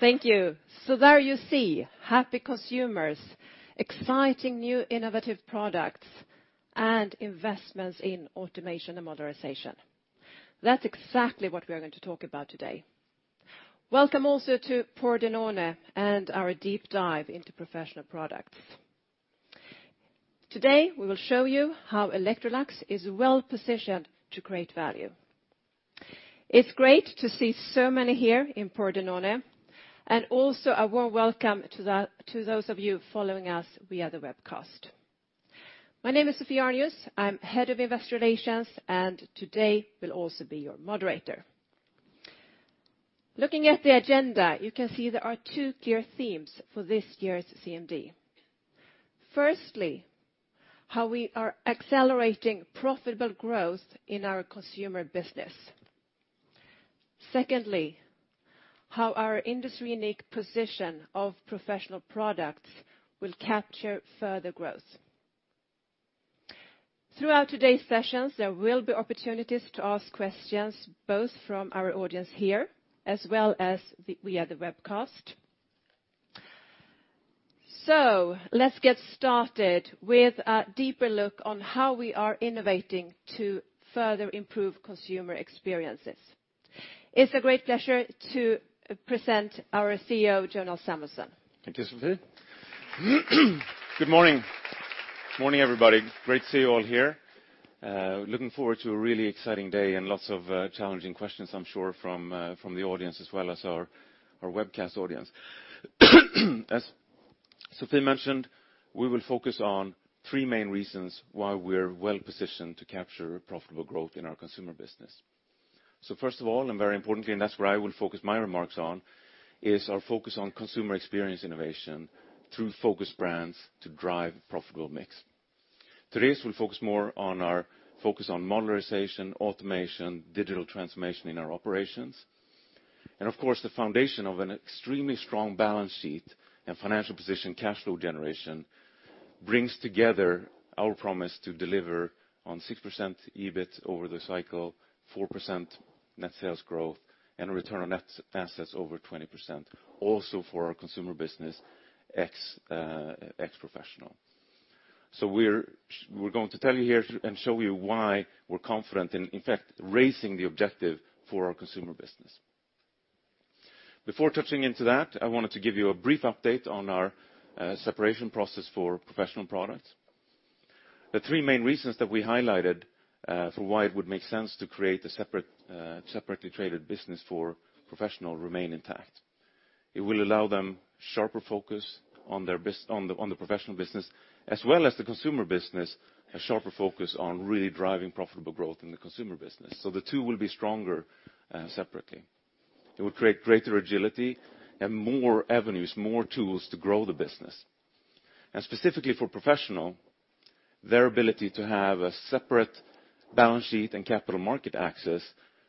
Thank you. There you see happy consumers, exciting new innovative products, and investments in automation and modernization. That's exactly what we are going to talk about today. Welcome also to Pordenone and our deep dive into professional products. Today, we will show you how Electrolux is well-positioned to create value. It's great to see so many here in Pordenone, and also a warm welcome to those of you following us via the webcast. My name is Sophie Arnius, I'm Head of Investor Relations, and today will also be your moderator. Looking at the agenda, you can see there are two clear themes for this year's CMD. Firstly, how we are accelerating profitable growth in our consumer business. Secondly, how our industry-unique position of professional products will capture further growth. Throughout today's sessions, there will be opportunities to ask questions, both from our audience here, as well as via the webcast. Let's get started with a deeper look on how we are innovating to further improve consumer experiences. It's a great pleasure to present our CEO, Jonas Samuelson. Thank you Sophie. Good morning. Morning everybody. Great to see you all here. Looking forward to a really exciting day and lots of challenging questions, I'm sure, from the audience, as well as our webcast audience. As Sophie mentioned, we will focus on three main reasons why we're well-positioned to capture profitable growth in our consumer business. First of all, and very importantly, and that's where I will focus my remarks on, is our focus on consumer experience innovation through focused brands to drive profitable mix. Today, we'll focus more on our focus on modernization, automation, digital transformation in our operations. Of course, the foundation of an extremely strong balance sheet and financial position cash flow generation brings together our promise to deliver on 6% EBIT over the cycle, 4% net sales growth, and a return on net assets over 20%, also for our consumer business ex-professional. We're going to tell you here and show you why we're confident in fact, raising the objective for our consumer business. Before touching into that, I wanted to give you a brief update on our separation process for professional products. The three main reasons that we highlighted for why it would make sense to create a separately traded business for professional remain intact. It will allow them sharper focus on the professional business, as well as the consumer business, a sharper focus on really driving profitable growth in the consumer business. The two will be stronger separately. It will create greater agility and more avenues, more tools to grow the business. Specifically for professional, their ability to have a separate balance sheet and capital market access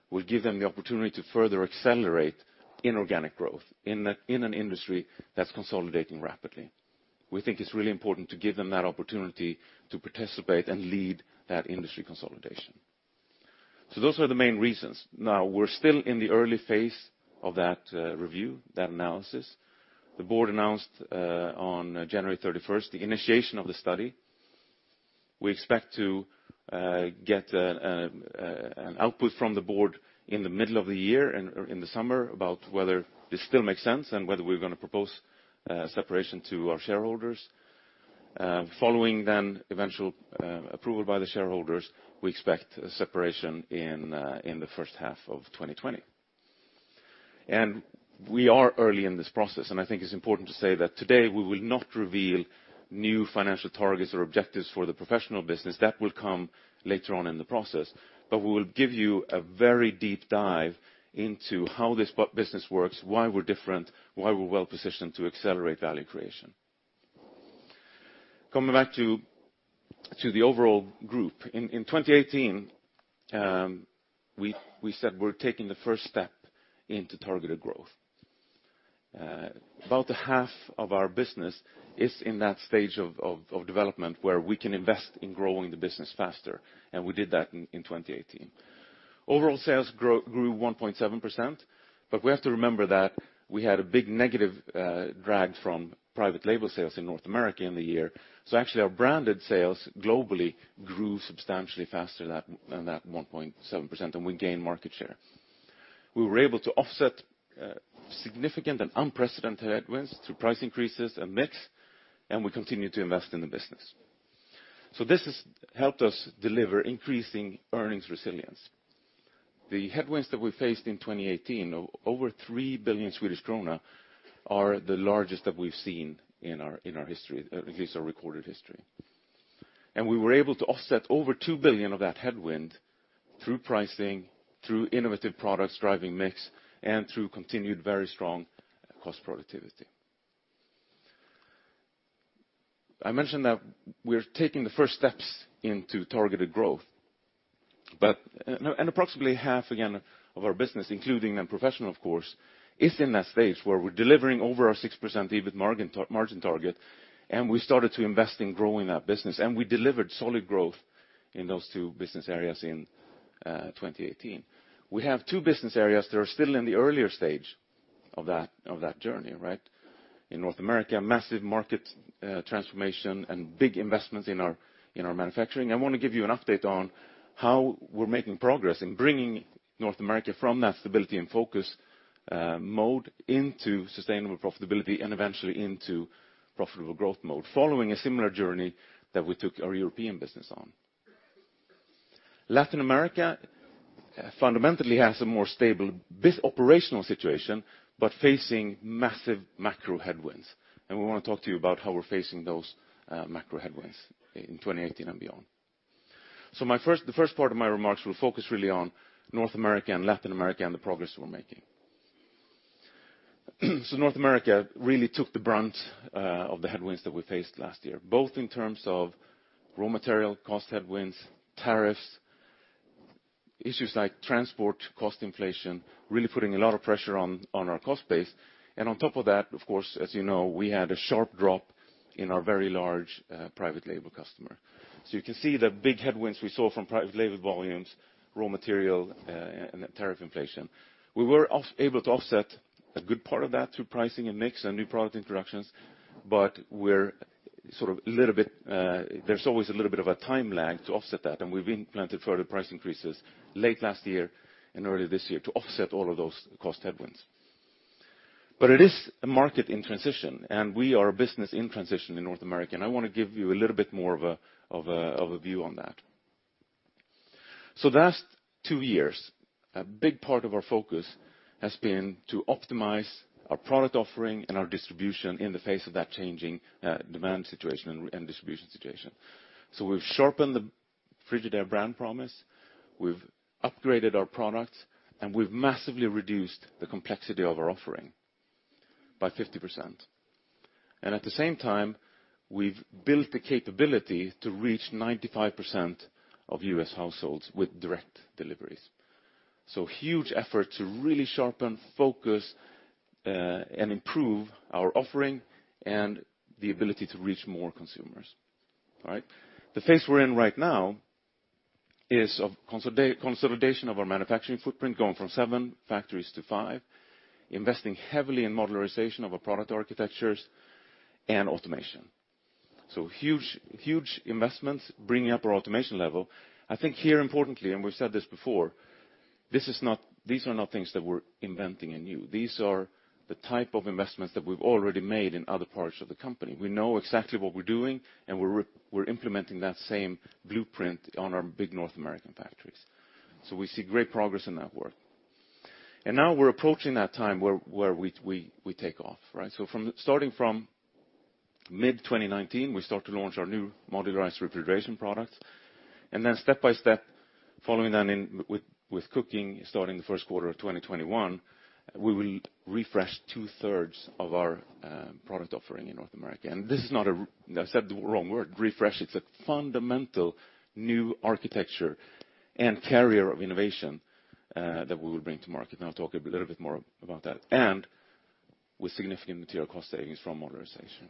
will give them the opportunity to further accelerate inorganic growth in an industry that's consolidating rapidly. We think it's really important to give them that opportunity to participate and lead that industry consolidation. Those are the main reasons. We're still in the early phase of that review, that analysis. The board announced on January 31st, 2019 the initiation of the study. We expect to get an output from the board in the middle of the year, in the summer, about whether this still makes sense and whether we're going to propose separation to our shareholders. Following then eventual approval by the shareholders, we expect separation in the first half of 2020. We are early in this process, and I think it's important to say that today we will not reveal new financial targets or objectives for the Professional business. That will come later on in the process. We will give you a very deep dive into how this business works, why we're different, why we're well-positioned to accelerate value creation. Coming back to the overall group. In 2018, we said we're taking the first step into targeted growth. About 1/2 of our business is in that stage of development where we can invest in growing the business faster, and we did that in 2018. Overall sales grew 1.7%, but we have to remember that we had a big negative drag from private label sales in North America in the year. Actually, our branded sales globally grew substantially faster than that 1.7%, and we gained market share. We were able to offset significant and unprecedented headwinds through price increases and mix, and we continued to invest in the business. This has helped us deliver increasing earnings resilience. The headwinds that we faced in 2018, over 3 billion Swedish krona, are the largest that we've seen in our history, at least our recorded history. We were able to offset over 2 billion of that headwind through pricing, through innovative products driving mix, and through continued very strong cost productivity. I mentioned that we're taking the first steps into targeted growth. Approximately half, again, of our business, including then Professional, of course, is in that stage where we're delivering over our 6% EBIT margin target, and we started to invest in growing that business. We delivered solid growth in those two business areas in 2018. We have two business areas that are still in the earlier stage of that journey, right? In North America, massive market transformation and big investments in our manufacturing. I want to give you an update on how we're making progress in bringing North America from that stability and focus mode into sustainable profitability, and eventually into profitable growth mode. Following a similar journey that we took our European business on. Latin America fundamentally has a more stable operational situation, but facing massive macro headwinds, and we want to talk to you about how we're facing those macro headwinds in 2018 and beyond. The first part of my remarks will focus really on North America and Latin America, and the progress we're making. North America really took the brunt of the headwinds that we faced last year, both in terms of raw material cost headwinds, tariffs, issues like transport cost inflation, really putting a lot of pressure on our cost base. On top of that, of course, as you know, we had a sharp drop in our very large private label customer. You can see the big headwinds we saw from private label volumes, raw material, and tariff inflation. We were able to offset a good part of that through pricing and mix and new product introductions, but there's always a little bit of a time lag to offset that, and we've implanted further price increases late last year and early this year to offset all of those cost headwinds. It is a market in transition, and we are a business in transition in North America, and I want to give you a little bit more of a view on that. The last two years, a big part of our focus has been to optimize our product offering and our distribution in the face of that changing demand situation and distribution situation. We've sharpened the Frigidaire brand promise, we've upgraded our products, and we've massively reduced the complexity of our offering by 50%. At the same time, we've built the capability to reach 95% of U.S. households with direct deliveries. Huge effort to really sharpen, focus, and improve our offering and the ability to reach more consumers. All right. The phase we're in right now is of consolidation of our manufacturing footprint, going from seven factories to five, investing heavily in modularization of our product architectures and automation. Huge investments bringing up our automation level. I think here, importantly, and we've said this before, these are not things that we're inventing anew. These are the type of investments that we've already made in other parts of the company. We know exactly what we're doing, and we're implementing that same blueprint on our big North American factories. We see great progress in that work. Now we're approaching that time where we take off, right? Starting from mid-2019, we start to launch our new modularized refrigeration product. Then step by step, following that with cooking starting the 1st quarter of 2021, we will refresh 2/3 of our product offering in North America. I said the wrong word, refresh. It's a fundamental new architecture and carrier of innovation that we will bring to market, and I'll talk a little bit more about that. With significant material cost savings from modularization.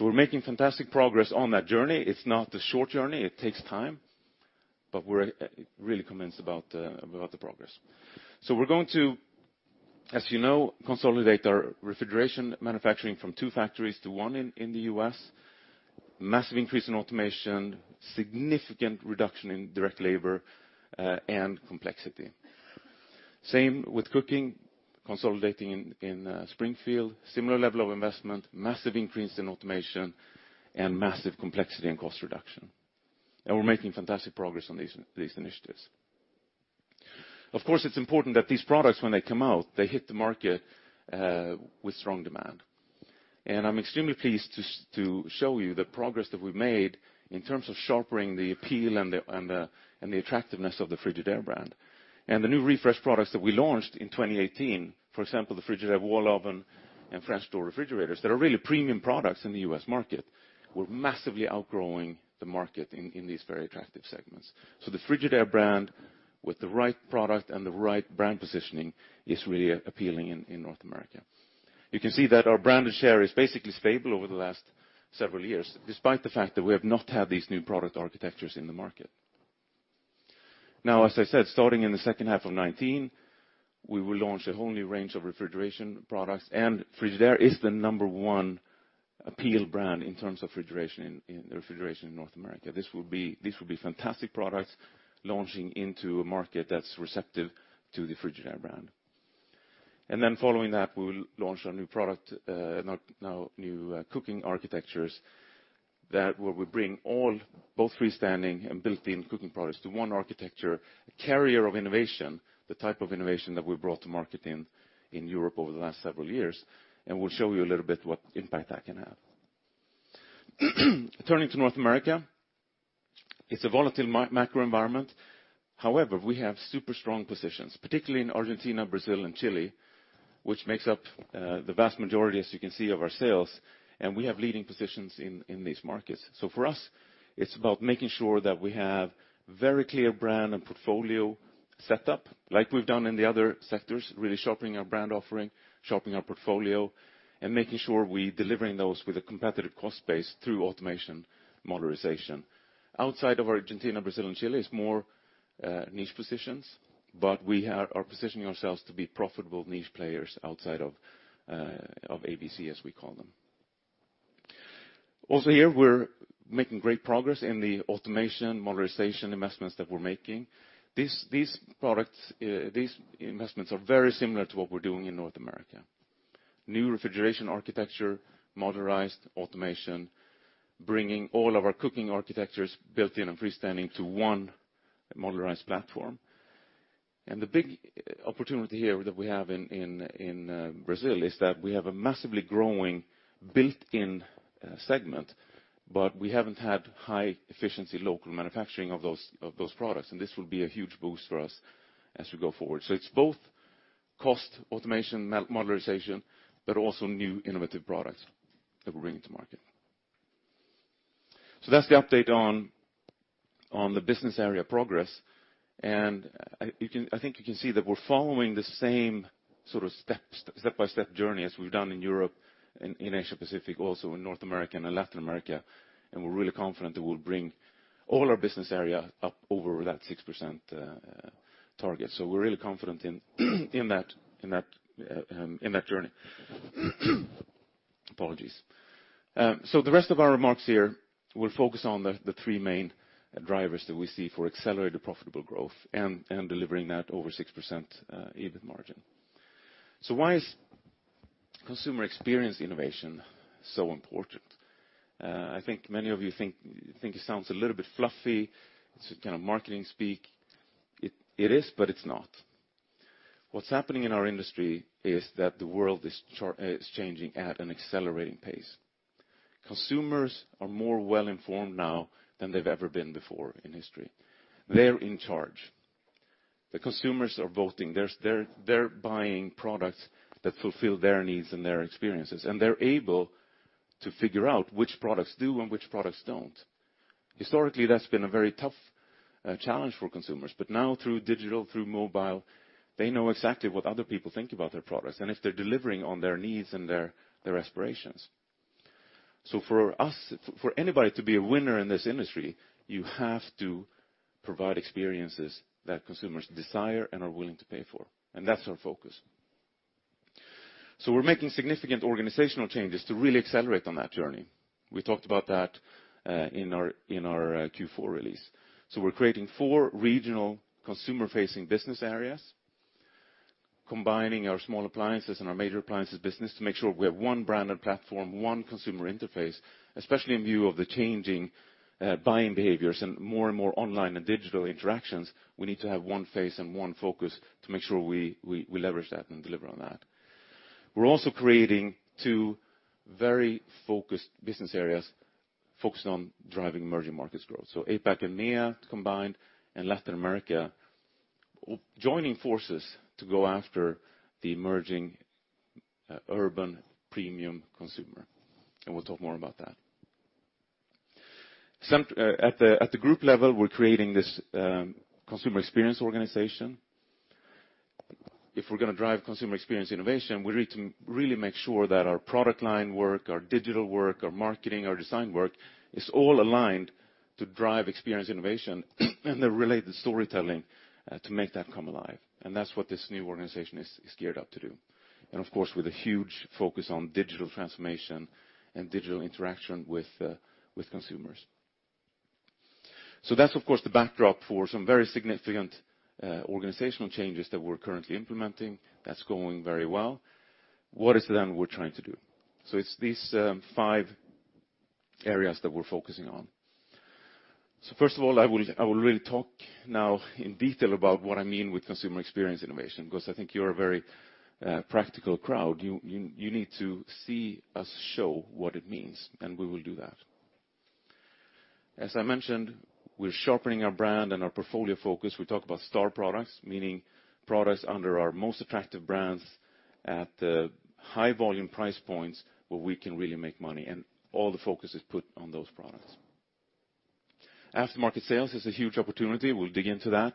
We're making fantastic progress on that journey. It's not a short journey. It takes time, but we're really convinced about the progress. We're going to, as you know, consolidate our refrigeration manufacturing from two factories to one in the U.S. Massive increase in automation, significant reduction in direct labor, and complexity. Same with cooking, consolidating in Springfield, similar level of investment, massive increase in automation, and massive complexity and cost reduction. We're making fantastic progress on these initiatives. Of course, it's important that these products, when they come out, they hit the market with strong demand. I'm extremely pleased to show you the progress that we've made in terms of sharpening the appeal and the attractiveness of the Frigidaire brand. The new refreshed products that we launched in 2018, for example, the Frigidaire wall oven and fresh door refrigerators, that are really premium products in the U.S. market. We're massively outgrowing the market in these very attractive segments. The Frigidaire brand, with the right product and the right brand positioning, is really appealing in North America. You can see that our branded share is basically stable over the last several years, despite the fact that we have not had these new product architectures in the market. As I said, starting in the second half of 2019, we will launch a whole new range of refrigeration products, and Frigidaire is the number one appeal brand in terms of refrigeration in North America. These will be fantastic products launching into a market that's receptive to the Frigidaire brand. Following that, we will launch our new product, now new cooking architectures, where we bring all, both freestanding and built-in cooking products to one architecture, a carrier of innovation, the type of innovation that we've brought to market in Europe over the last several years, and we'll show you a little bit what impact that can have. Turning to North America, it's a volatile macro environment. However, we have super strong positions, particularly in Argentina, Brazil, and Chile, which makes up the vast majority, as you can see, of our sales, and we have leading positions in these markets. For us, it's about making sure that we have very clear brand and portfolio set up like we've done in the other sectors, really sharpening our brand offering, sharpening our portfolio, and making sure we're delivering those with a competitive cost base through automation modularization. Outside of Argentina, Brazil, and Chile is more niche positions, but we are positioning ourselves to be profitable niche players outside of ABC, as we call them. Also here, we're making great progress in the automation modularization investments that we're making. These investments are very similar to what we're doing in North America. New refrigeration architecture, modularized automation, bringing all of our cooking architectures, built-in and freestanding, to one modularized platform. The big opportunity here that we have in Brazil is that we have a massively growing built-in segment, but we haven't had high efficiency local manufacturing of those products. This will be a huge boost for us as we go forward. It's both cost automation, modularization, but also new innovative products that we're bringing to market. That's the update on the business area progress. I think you can see that we're following the same sort of step-by-step journey as we've done in Europe and in Asia Pacific, also in North America and in Latin America, and we're really confident that we'll bring all our business areas up over that 6% target. We're really confident in that journey. Apologies. The rest of our remarks here will focus on the three main drivers that we see for accelerated profitable growth and delivering that over 6% EBIT margin. Why is consumer experience innovation so important? I think many of you think it sounds a little bit fluffy. It's a kind of marketing speak. It is, but it's not. What's happening in our industry is that the world is changing at an accelerating pace. Consumers are more well-informed now than they've ever been before in history. They're in charge. The consumers are voting. They're buying products that fulfill their needs and their experiences, they're able to figure out which products do and which products don't. Historically, that's been a very tough challenge for consumers. Now through digital, through mobile, they know exactly what other people think about their products and if they're delivering on their needs and their aspirations. For anybody to be a winner in this industry, you have to provide experiences that consumers desire and are willing to pay for. That's our focus. We're making significant organizational changes to really accelerate on that journey. We talked about that in our Q4 release. We're creating four regional consumer-facing business areas, combining our small appliances and our major appliances business to make sure we have one branded platform, one consumer interface, especially in view of the changing buying behaviors and more and more online and digital interactions. We need to have one face and one focus to make sure we leverage that and deliver on that. We're also creating two very focused business areas focused on driving emerging markets growth. APAC and MEA combined and Latin America joining forces to go after the emerging urban premium consumer. We'll talk more about that. At the group level, we're creating this consumer experience organization. If we're going to drive consumer experience innovation, we need to really make sure that our product line work, our digital work, our marketing, our design work is all aligned to drive experience innovation and the related storytelling to make that come alive. That's what this new organization is geared up to do. Of course, with a huge focus on digital transformation and digital interaction with consumers. That's, of course, the backdrop for some very significant organizational changes that we're currently implementing. That's going very well. What is it then we're trying to do? It's these five areas that we're focusing on. First of all, I will really talk now in detail about what I mean with consumer experience innovation, because I think you're a very practical crowd. You need to see us show what it means, and we will do that. As I mentioned, we're sharpening our brand and our portfolio focus. We talk about star products, meaning products under our most attractive brands at the high volume price points where we can really make money, all the focus is put on those products. Aftermarket sales is a huge opportunity. We'll dig into that,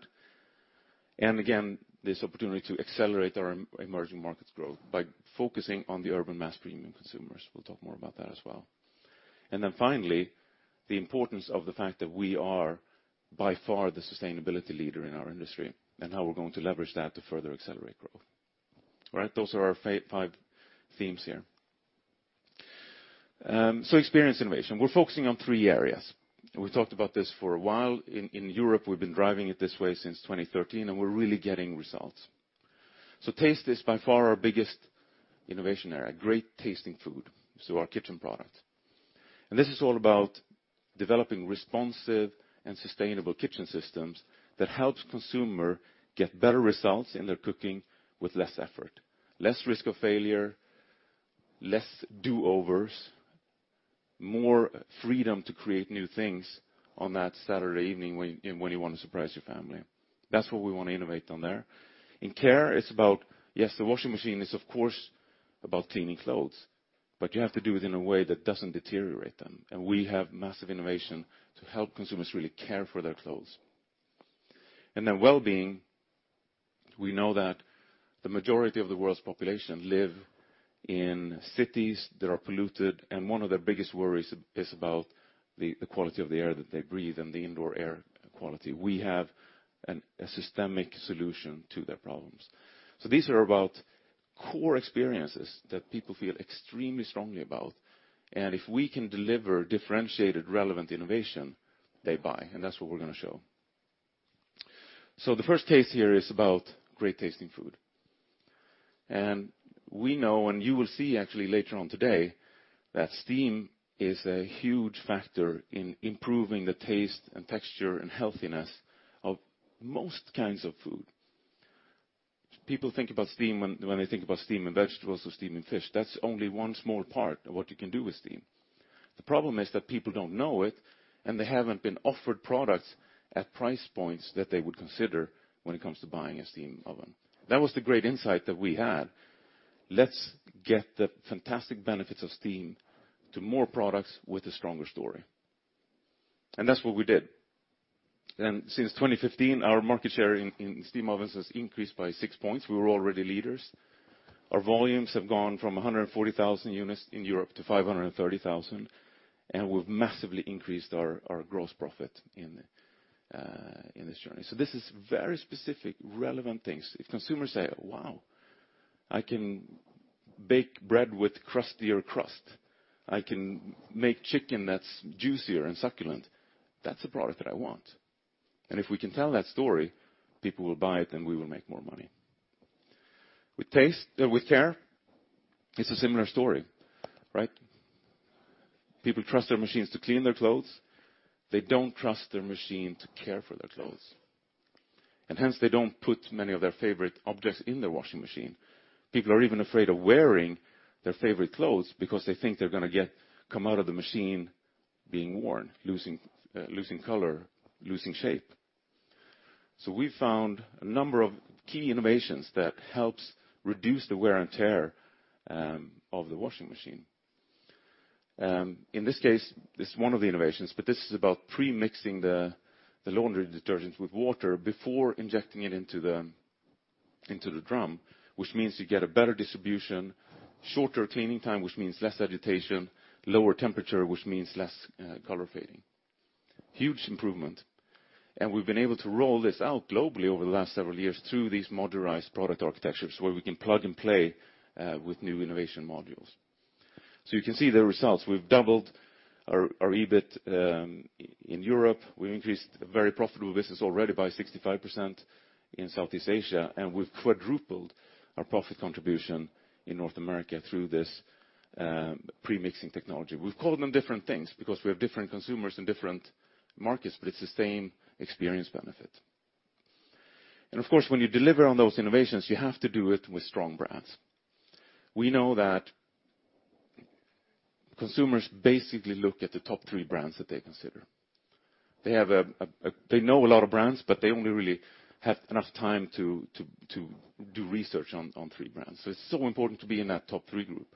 again, this opportunity to accelerate our emerging markets growth by focusing on the urban mass premium consumers. We'll talk more about that as well. Finally, the importance of the fact that we are by far the sustainability leader in our industry and how we're going to leverage that to further accelerate growth. All right. Those are our five themes here. Experience innovation. We're focusing on three areas. We talked about this for a while. In Europe, we've been driving it this way since 2013, we're really getting results. Taste is by far our biggest innovation area, great-tasting food. Our kitchen product. This is all about developing responsive and sustainable kitchen systems that helps consumer get better results in their cooking with less effort, less risk of failure, less do-overs. More freedom to create new things on that Saturday evening when you want to surprise your family. That's what we want to innovate on there. In care, it's about, yes, the washing machine is, of course, about cleaning clothes, but you have to do it in a way that doesn't deteriorate them, and we have massive innovation to help consumers really care for their clothes. Wellbeing, we know that the majority of the world's population live in cities that are polluted, and one of their biggest worries is about the quality of the air that they breathe and the indoor air quality. We have a systemic solution to their problems. These are about core experiences that people feel extremely strongly about, and if we can deliver differentiated, relevant innovation, they buy, and that's what we're going to show. The first case here is about great-tasting food. We know, and you will see actually later on today, that steam is a huge factor in improving the taste and texture and healthiness of most kinds of food. People think about steam when they think about steaming vegetables or steaming fish. That's only one small part of what you can do with steam. The problem is that people don't know it, and they haven't been offered products at price points that they would consider when it comes to buying a steam oven. That was the great insight that we had. Let's get the fantastic benefits of steam to more products with a stronger story. That's what we did. Since 2015, our market share in steam ovens has increased by 6 points. We were already leaders. Our volumes have gone from 140,000 units in Europe to 530,000, and we've massively increased our gross profit in this journey. This is very specific, relevant things. If consumers say, "Wow, I can bake bread with crustier crust. I can make chicken that's juicier and succulent. That's a product that I want." If we can tell that story, people will buy it, and we will make more money. With care, it's a similar story. People trust their machines to clean their clothes. They don't trust their machine to care for their clothes. Hence, they don't put many of their favorite objects in their washing machine. People are even afraid of wearing their favorite clothes because they think they're going to come out of the machine being worn, losing color, losing shape. We found a number of key innovations that helps reduce the wear and tear of the washing machine. In this case, this is one of the innovations, but this is about pre-mixing the laundry detergents with water before injecting it into the drum, which means you get a better distribution, shorter cleaning time, which means less agitation, lower temperature, which means less color fading. Huge improvement. We've been able to roll this out globally over the last several years through these modularized product architectures, where we can plug and play with new innovation modules. You can see the results. We've doubled our EBIT in Europe. We increased a very profitable business already by 65% in Southeast Asia, and we've quadrupled our profit contribution in North America through this pre-mixing technology. We've called them different things because we have different consumers in different markets, but it's the same experience benefit. Of course, when you deliver on those innovations, you have to do it with strong brands. We know that consumers basically look at the top three brands that they consider. They know a lot of brands, but they only really have enough time to do research on three brands. It's so important to be in that top three group.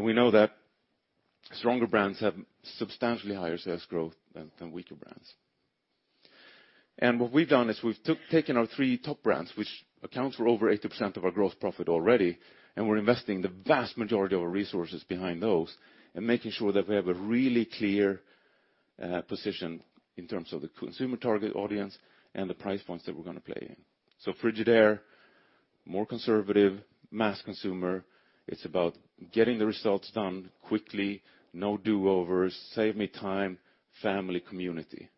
We know that stronger brands have substantially higher sales growth than weaker brands. What we've done is we've taken our three top brands, which accounts for over 80% of our gross profit already, and we're investing the vast majority of our resources behind those and making sure that we have a really clear position in terms of the consumer target audience and the price points that we're going to play in. Frigidaire, more conservative, mass consumer. It's about getting the results done quickly, no do-overs, save me time, family community.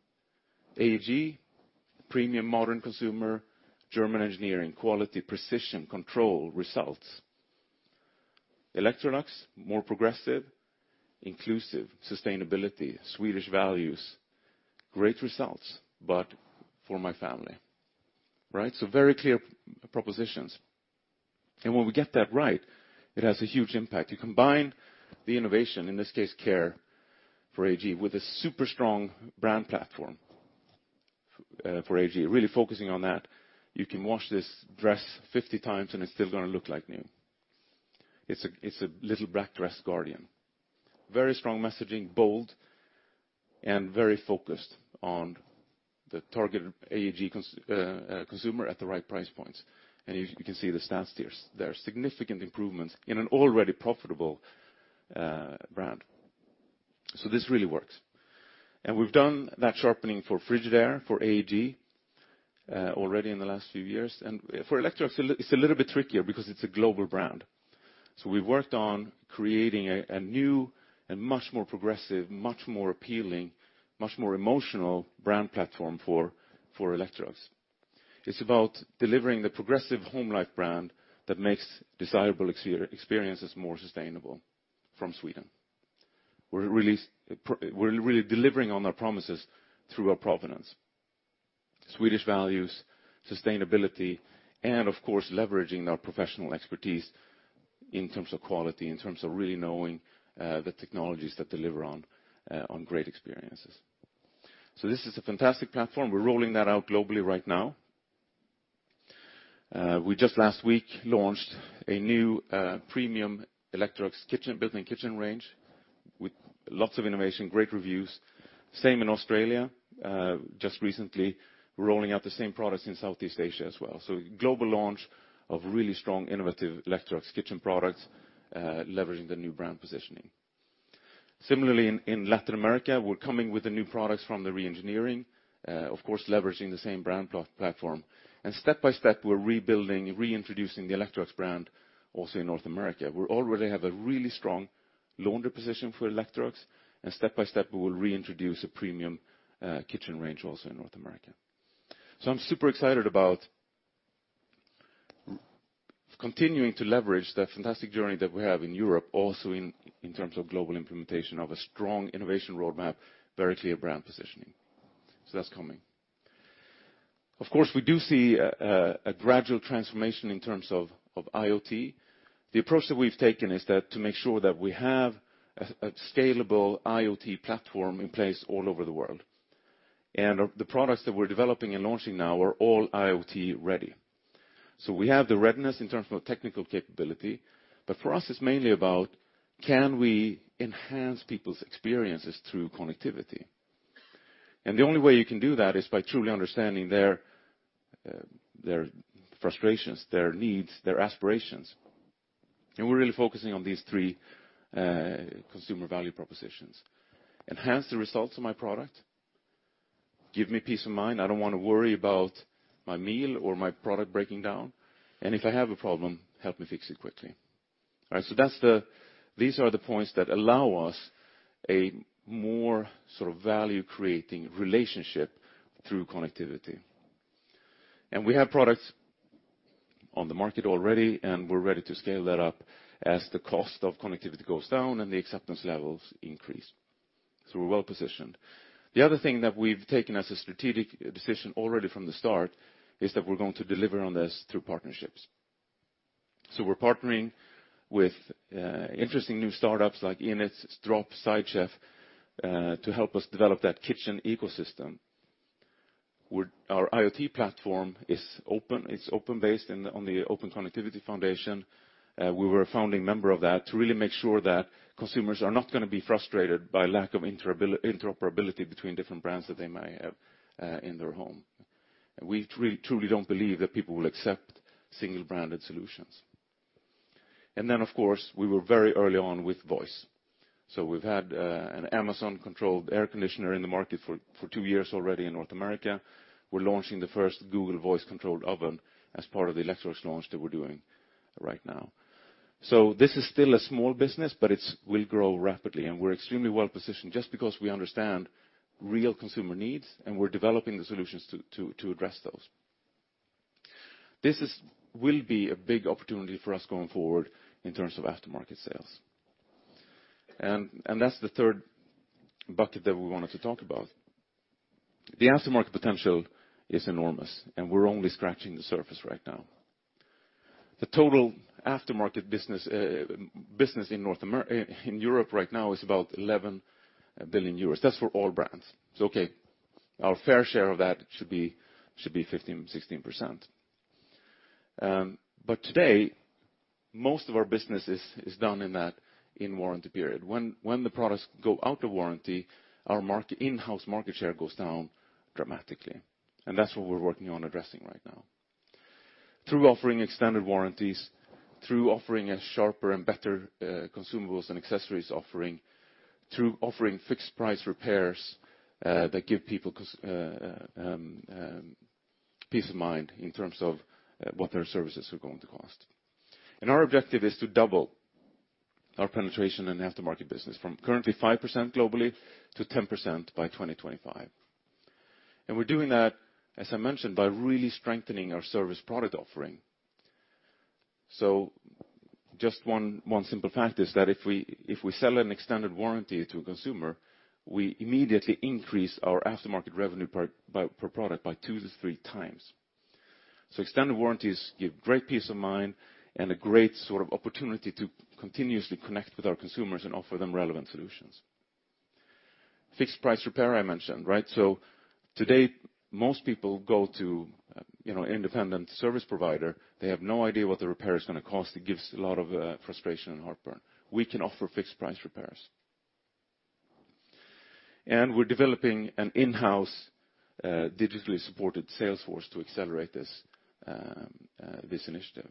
AEG, premium modern consumer, German engineering, quality, precision, control, results. Electrolux, more progressive, inclusive, sustainability, Swedish values, great results, but for my family. Very clear propositions. When we get that right, it has a huge impact. You combine the innovation, in this case care for AEG, with a super strong brand platform for AEG, really focusing on that. You can wash this dress 50 times, and it's still going to look like new. It's a little black dress guardian. Very strong messaging, bold, and very focused on the targeted AEG consumer at the right price points. You can see the stats there. There are significant improvements in an already profitable brand. This really works. We've done that sharpening for Frigidaire, for AEG already in the last few years. For Electrolux, it's a little bit trickier because it's a global brand. We've worked on creating a new and much more progressive, much more appealing, much more emotional brand platform for Electrolux. It's about delivering the progressive home life brand that makes desirable experiences more sustainable from Sweden. We're really delivering on our promises through our provenance, Swedish values, sustainability, and of course, leveraging our professional expertise in terms of quality, in terms of really knowing the technologies that deliver on great experiences. This is a fantastic platform. We're rolling that out globally right now. We just last week launched a new premium Electrolux built-in kitchen range with lots of innovation, great reviews. Same in Australia. Just recently rolling out the same products in Southeast Asia as well. Global launch of really strong innovative Electrolux kitchen products, leveraging the new brand positioning. Similarly, in Latin America, we're coming with the new products from the re-engineering, of course, leveraging the same brand platform. Step by step, we're rebuilding, reintroducing the Electrolux brand also in North America. We already have a really strong laundry position for Electrolux, and step by step, we will reintroduce a premium kitchen range also in North America. I'm super excited about continuing to leverage the fantastic journey that we have in Europe, also in terms of global implementation of a strong innovation roadmap, very clear brand positioning. That's coming. Of course, we do see a gradual transformation in terms of IoT. The approach that we've taken is to make sure that we have a scalable IoT platform in place all over the world. The products that we're developing and launching now are all IoT-ready. We have the readiness in terms of technical capability. For us, it's mainly about can we enhance people's experiences through connectivity? The only way you can do that is by truly understanding their frustrations, their needs, their aspirations. We're really focusing on these three consumer value propositions. Enhance the results of my product, give me peace of mind, I don't want to worry about my meal or my product breaking down, and if I have a problem, help me fix it quickly. All right. These are the points that allow us a more value-creating relationship through connectivity. We have products on the market already, and we're ready to scale that up as the cost of connectivity goes down and the acceptance levels increase. We're well-positioned. The other thing that we've taken as a strategic decision already from the start is that we're going to deliver on this through partnerships. We're partnering with interesting new startups like Innit, Drop, SideChef, to help us develop that kitchen ecosystem, where our IoT platform is open-based on the Open Connectivity Foundation. We were a founding member of that to really make sure that consumers are not going to be frustrated by lack of interoperability between different brands that they may have in their home. We truly don't believe that people will accept single-branded solutions. Then, of course, we were very early on with voice. We've had an Amazon-controlled air conditioner in the market for two years already in North America. We're launching the first Google voice-controlled oven as part of the Electrolux launch that we're doing right now. This is still a small business, but it will grow rapidly, and we're extremely well-positioned just because we understand real consumer needs, and we're developing the solutions to address those. This will be a big opportunity for us going forward in terms of aftermarket sales. That's the third bucket that we wanted to talk about. The aftermarket potential is enormous, and we're only scratching the surface right now. The total aftermarket business in Europe right now is about 11 billion euros. That's for all brands. Okay, our fair share of that should be 15%-16%. Today, most of our business is done in that in-warranty period. When the products go out of warranty, our in-house market share goes down dramatically. That's what we're working on addressing right now. Through offering extended warranties, through offering a sharper and better consumables and accessories offering, through offering fixed price repairs that give people peace of mind in terms of what their services are going to cost. Our objective is to double our penetration in the aftermarket business from currently 5% globally to 10% by 2025. We're doing that, as I mentioned, by really strengthening our service product offering. Just one simple fact is that if we sell an extended warranty to a consumer, we immediately increase our aftermarket revenue per product by 2x-3x. Extended warranties give great peace of mind and a great opportunity to continuously connect with our consumers and offer them relevant solutions. Fixed price repair, I mentioned. Today, most people go to an independent service provider. They have no idea what the repair is going to cost. It gives a lot of frustration and heartburn. We can offer fixed price repairs. We're developing an in-house, digitally supported sales force to accelerate this initiative.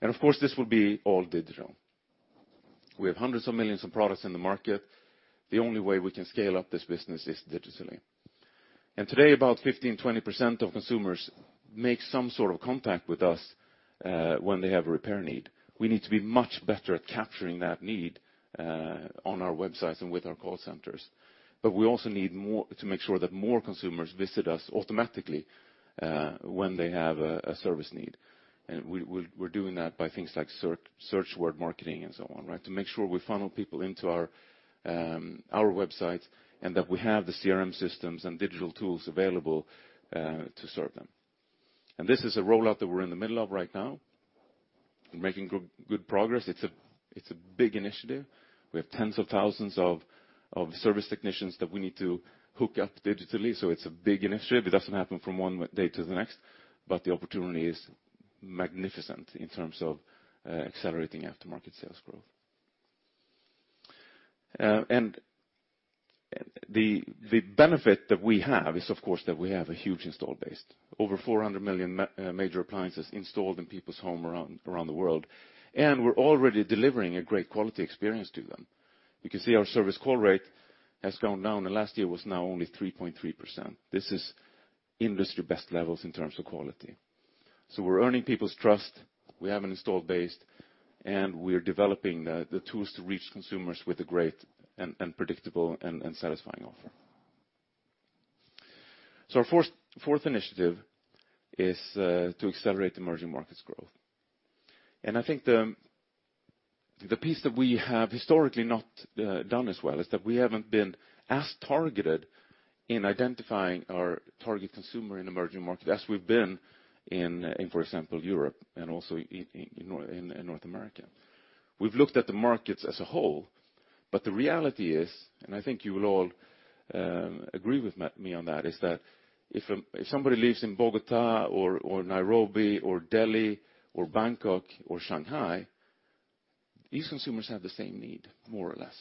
Of course, this will be all digital. We have hundreds of millions of products in the market. The only way we can scale up this business is digitally. Today, about 15%-20% of consumers make some sort of contact with us when they have a repair need. We need to be much better at capturing that need on our websites and with our call centers. We also need to make sure that more consumers visit us automatically when they have a service need. We're doing that by things like search word marketing and so on, to make sure we funnel people into our website and that we have the CRM systems and digital tools available to serve them. This is a rollout that we're in the middle of right now and making good progress. It's a big initiative. We have tens of thousands of service technicians that we need to hook up digitally. It's a big initiative. It doesn't happen from one day to the next, but the opportunity is magnificent in terms of accelerating Aftermarket sales growth. The benefit that we have is, of course, that we have a huge install base, over 400 million major appliances installed in people's home around the world. We're already delivering a great quality experience to them. You can see our service call rate has gone down, and last year was now only 3.3%. This is industry best levels in terms of quality. We're earning people's trust. We have an install base, and we are developing the tools to reach consumers with a great and predictable and satisfying offer. Our fourth initiative is to accelerate emerging markets growth. I think the piece that we have historically not done as well is that we haven't been as targeted in identifying our target consumer in emerging market as we've been in, for example, Europe and also in North America. We've looked at the markets as a whole, but the reality is, I think you will all agree with me on that, is that if somebody lives in Bogotá or Nairobi or Delhi or Bangkok or Shanghai, these consumers have the same need, more or less.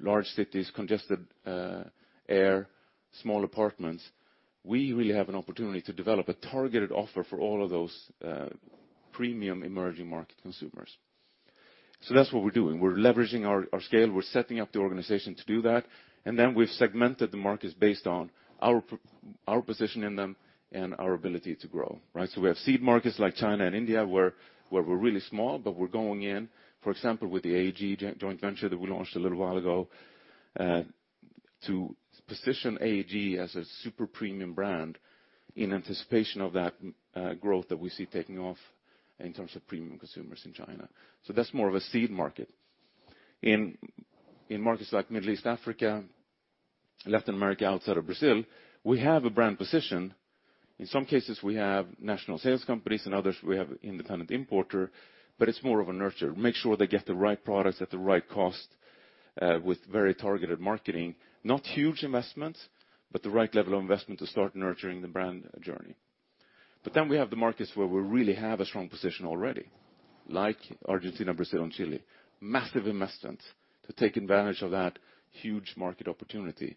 Large cities, congested air, small apartments. We really have an opportunity to develop a targeted offer for all of those premium emerging market consumers. That's what we're doing. We're leveraging our scale. We're setting up the organization to do that. Then we've segmented the markets based on our position in them and our ability to grow. We have seed markets like China and India, where we're really small, but we're going in, for example, with the AEG joint venture that we launched a little while ago, to position AEG as a super premium brand in anticipation of that growth that we see taking off in terms of premium consumers in China. That's more of a seed market. In markets like Middle East, Africa, Latin America, outside of Brazil, we have a brand position. In some cases, we have national sales companies, and others we have independent importer, but it's more of a nurture. Make sure they get the right products at the right cost, with very targeted marketing, not huge investments, but the right level of investment to start nurturing the brand journey. Then we have the markets where we really have a strong position already, like Argentina, Brazil, and Chile. Massive investments to take advantage of that huge market opportunity.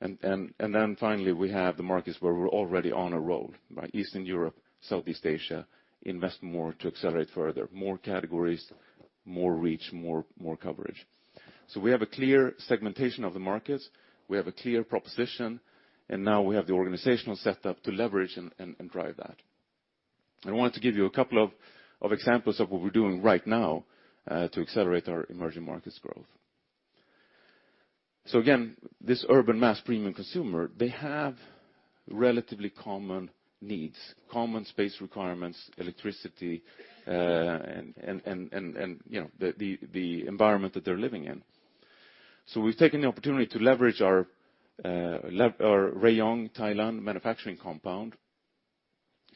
Finally, we have the markets where we're already on a roll. Eastern Europe, Southeast Asia, invest more to accelerate further. More categories, more reach, more coverage. We have a clear segmentation of the markets. We have a clear proposition, and now we have the organizational setup to leverage and drive that. I wanted to give you a couple of examples of what we're doing right now to accelerate our emerging markets growth. Again, this urban mass premium consumer, they have relatively common needs, common space requirements, electricity, and the environment that they're living in. We've taken the opportunity to leverage our Rayong, Thailand manufacturing compound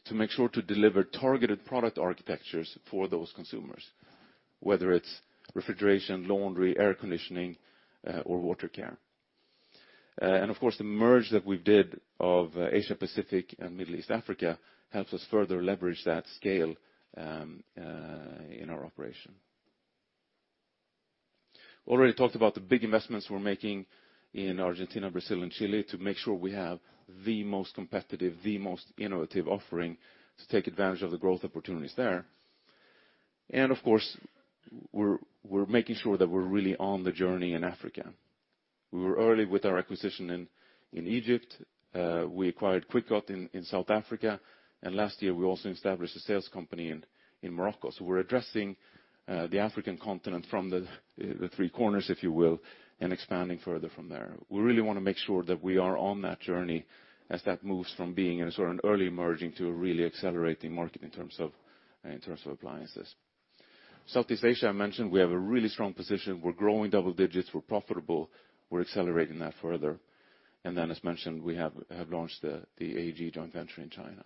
to make sure to deliver targeted product architectures for those consumers, whether it's refrigeration, laundry, air conditioning, or water care. Of course, the merge that we did of Asia-Pacific and Middle East Africa helps us further leverage that scale in our operation. Already talked about the big investments we're making in Argentina, Brazil, and Chile to make sure we have the most competitive, the most innovative offering to take advantage of the growth opportunities there. Of course, we're making sure that we're really on the journey in Africa. We were early with our acquisition in Egypt. We acquired Kwikot in South Africa. Last year, we also established a sales company in Morocco. We're addressing the African continent from the three corners, if you will, and expanding further from there. We really want to make sure that we are on that journey as that moves from being in sort of an early emerging to a really accelerating market in terms of appliances. Southeast Asia, I mentioned, we have a really strong position. We're growing double digits. We're profitable. We're accelerating that further. As mentioned, we have launched the AEG joint venture in China.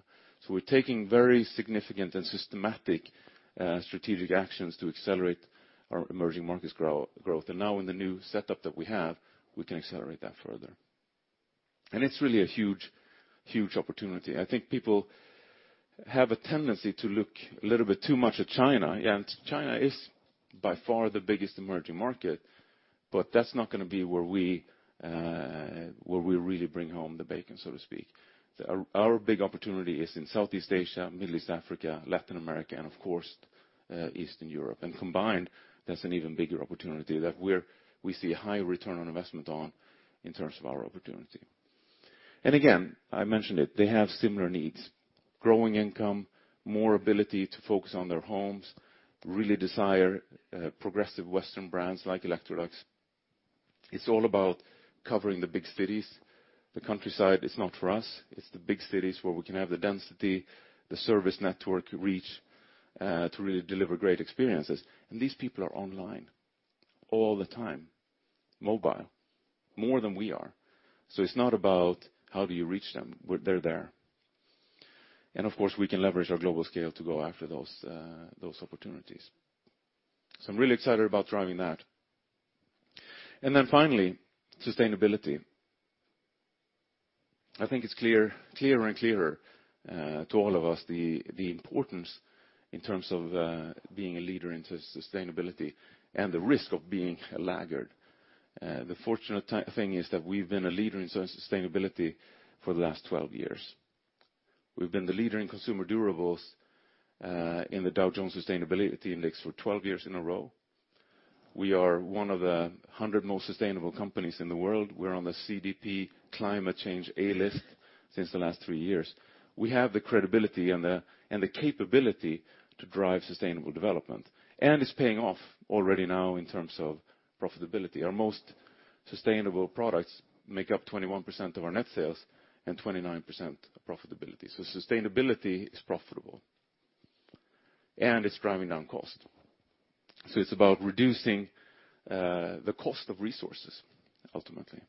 We're taking very significant and systematic strategic actions to accelerate our emerging markets growth. Now in the new setup that we have, we can accelerate that further. It's really a huge opportunity. I think people have a tendency to look a little bit too much at China, and China is by far the biggest emerging market, but that's not going to be where we really bring home the bacon, so to speak. Our big opportunity is in Southeast Asia, Middle East Africa, Latin America, and of course, Eastern Europe. Combined, that's an even bigger opportunity that we see high return on investment on in terms of our opportunity. Again, I mentioned it, they have similar needs, growing income, more ability to focus on their homes, really desire progressive Western brands like Electrolux. It's all about covering the big cities. The countryside is not for us. It's the big cities where we can have the density, the service network reach to really deliver great experiences. These people are online all the time, mobile more than we are. It's not about how do you reach them. They're there. Of course, we can leverage our global scale to go after those opportunities. I'm really excited about driving that. Finally, sustainability. I think it's clearer and clearer to all of us the importance in terms of being a leader in sustainability and the risk of being a laggard. The fortunate thing is that we've been a leader in sustainability for the last 12 years. We've been the leader in consumer durables in the Dow Jones Sustainability Index for 12 years in a row. We are one of the 100 most sustainable companies in the world. We're on the CDP Climate Change A List since the last three years. We have the credibility and the capability to drive sustainable development, it's paying off already now in terms of profitability. Our most sustainable products make up 21% of our net sales and 29% of profitability. Sustainability is profitable and it's driving down cost. It's about reducing the cost of resources, ultimately.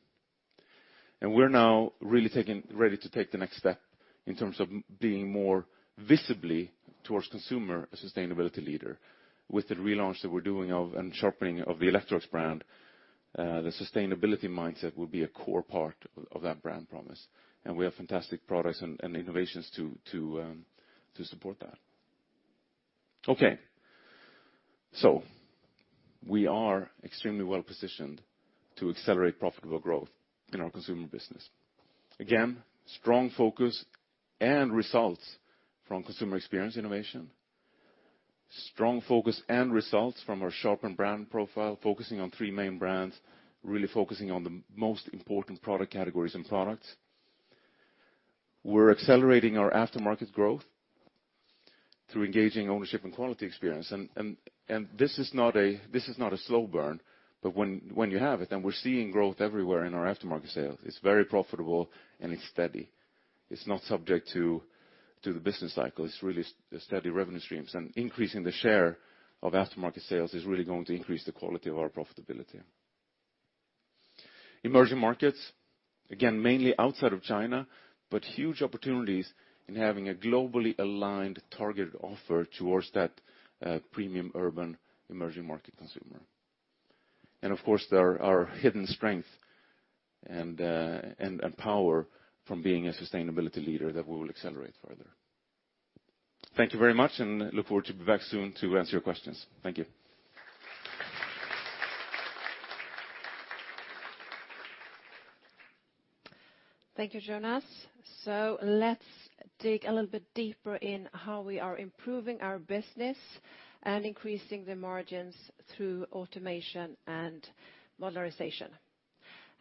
We're now really ready to take the next step in terms of being more visibly, towards consumer, a sustainability leader. With the relaunch that we're doing and sharpening of the Electrolux brand, the sustainability mindset will be a core part of that brand promise. We have fantastic products and innovations to support that. Okay. We are extremely well-positioned to accelerate profitable growth in our consumer business. Again, strong focus and results from consumer experience innovation, strong focus and results from our sharpened brand profile, focusing on 3 main brands, really focusing on the most important product categories and products. We're accelerating our aftermarket growth through engaging ownership and quality experience. This is not a slow burn, but when you have it, then we're seeing growth everywhere in our aftermarket sales. It's very profitable and it's steady. It's not subject to the business cycle. It's really steady revenue streams. Increasing the share of aftermarket sales is really going to increase the quality of our profitability. Emerging markets, again, mainly outside of China, but huge opportunities in having a globally aligned targeted offer towards that premium urban emerging market consumer. Of course, there are hidden strength and power from being a sustainability leader that we will accelerate further. Thank you very much, look forward to be back soon to answer your questions. Thank you. Thank you, Jonas. Let's dig a little bit deeper in how we are improving our business and increasing the margins through automation and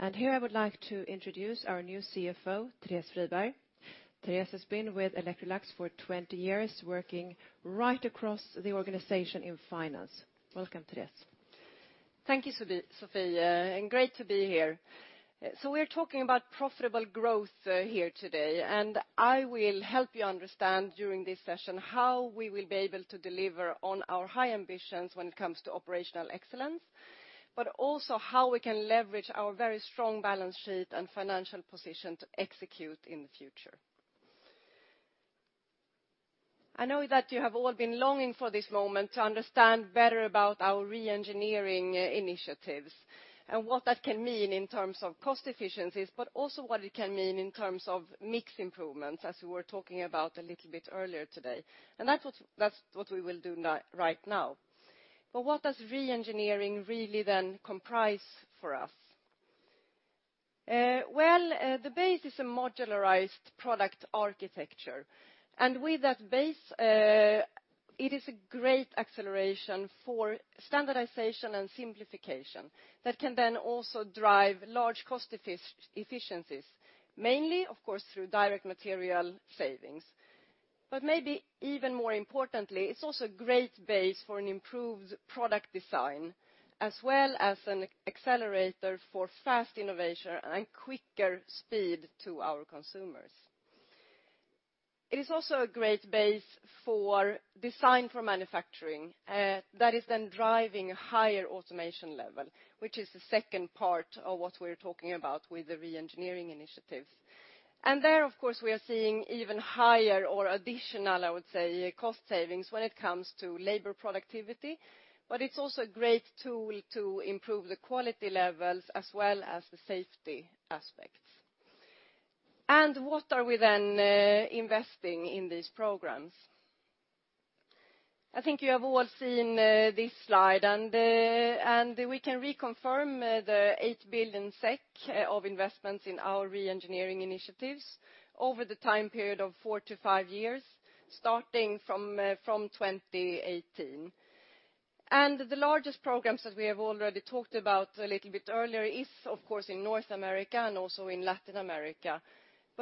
modularization. Here I would like to introduce our new CFO, Therese Friberg. Therese has been with Electrolux for 20 years, working right across the organization in finance. Welcome, Therese. Thank you, Sophie. Great to be here. We're talking about profitable growth here today, and I will help you understand during this session how we will be able to deliver on our high ambitions when it comes to operational excellence, but also how we can leverage our very strong balance sheet and financial position to execute in the future. I know that you have all been longing for this moment to understand better about our re-engineering initiatives and what that can mean in terms of cost efficiencies, but also what it can mean in terms of mix improvements, as we were talking about a little bit earlier today. That's what we will do right now. What does re-engineering really then comprise for us? The base is a modularized product architecture, and with that base, it is a great acceleration for standardization and simplification that can then also drive large cost efficiencies, mainly, of course, through direct material savings. Maybe even more importantly, it's also a great base for an improved product design, as well as an accelerator for fast innovation and quicker speed to our consumers. It is also a great base for design for manufacturing, that is then driving higher automation level, which is the second part of what we're talking about with the re-engineering initiatives. There, of course, we are seeing even higher or additional, I would say, cost savings when it comes to labor productivity, but it's also a great tool to improve the quality levels as well as the safety aspects. What are we then investing in these programs? I think you have all seen this slide, and we can reconfirm the 8 billion SEK of investments in our re-engineering initiatives over the time period of four-five years, starting from 2018. The largest programs that we have already talked about a little bit earlier is, of course, in North America and also in Latin America.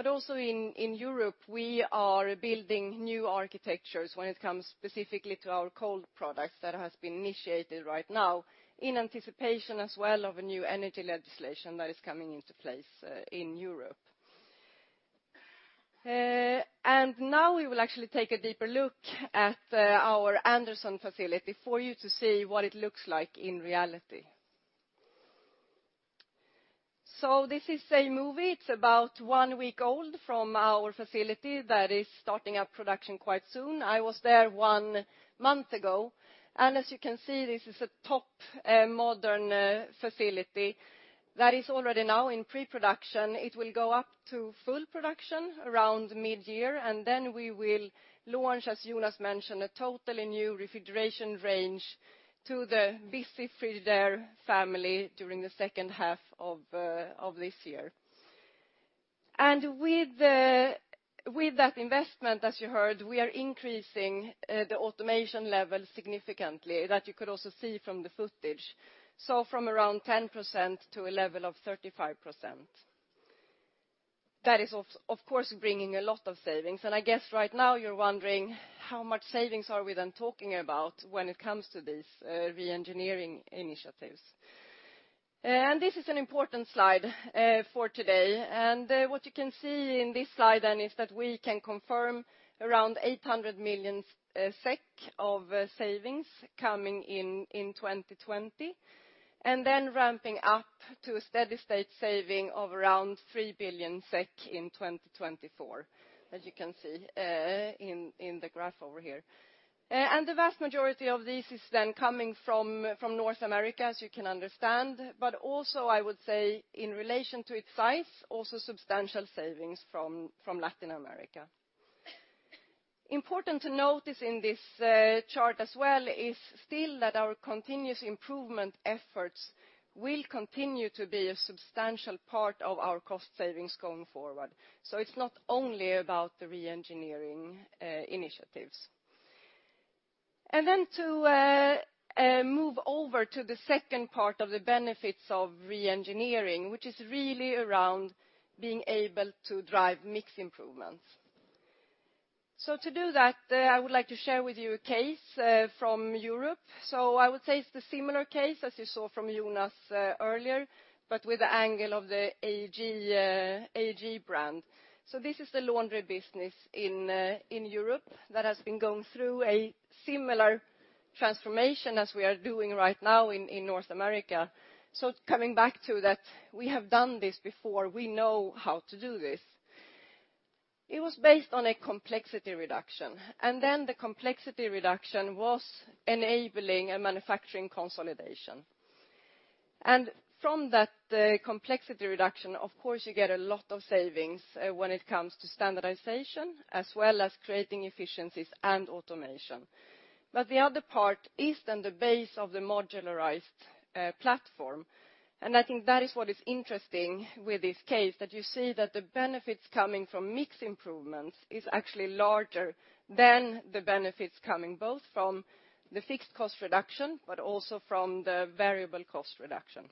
Also in Europe, we are building new architectures when it comes specifically to our cold products that has been initiated right now in anticipation as well of a new energy legislation that is coming into place in Europe. Now we will actually take a deeper look at our Anderson Facility for you to see what it looks like in reality. This is a movie, it's about one week old, from our facility that is starting up production quite soon. I was there one month ago, and as you can see, this is a top modern facility that is already now in pre-production. It will go up to full production around mid-year, and then we will launch, as Jonas mentioned, a totally new refrigeration range to the busy Frigidaire family during the second half of this year. With that investment, as you heard, we are increasing the automation level significantly, that you could also see from the footage. From around 10% to a level of 35%. That is of course bringing a lot of savings, and I guess right now you're wondering how much savings are we then talking about when it comes to these re-engineering initiatives. This is an important slide for today. What you can see in this slide then is that we can confirm around 800 million SEK of savings coming in 2020. Ramping up to a steady state saving of around 3 billion SEK in 2024, as you can see in the graph over here. The vast majority of this is coming from North America, as you can understand, but also I would say in relation to its size, also substantial savings from Latin America. Important to notice in this chart as well is still that our continuous improvement efforts will continue to be a substantial part of our cost savings going forward. It's not only about the re-engineering initiatives. To move over to the second part of the benefits of re-engineering, which is really around being able to drive mix improvements. To do that, I would like to share with you a case from Europe. I would say it's the similar case as you saw from Jonas earlier, but with the angle of the AEG brand. This is the laundry business in Europe that has been going through a similar transformation as we are doing right now in North America. Coming back to that, we have done this before. We know how to do this. It was based on a complexity reduction, the complexity reduction was enabling a manufacturing consolidation. From that complexity reduction, of course you get a lot of savings when it comes to standardization, as well as creating efficiencies and automation. The other part is the base of the modularized platform. I think that is what is interesting with this case, that you see that the benefits coming from mix improvements is actually larger than the benefits coming both from the fixed cost reduction, also from the variable cost reduction.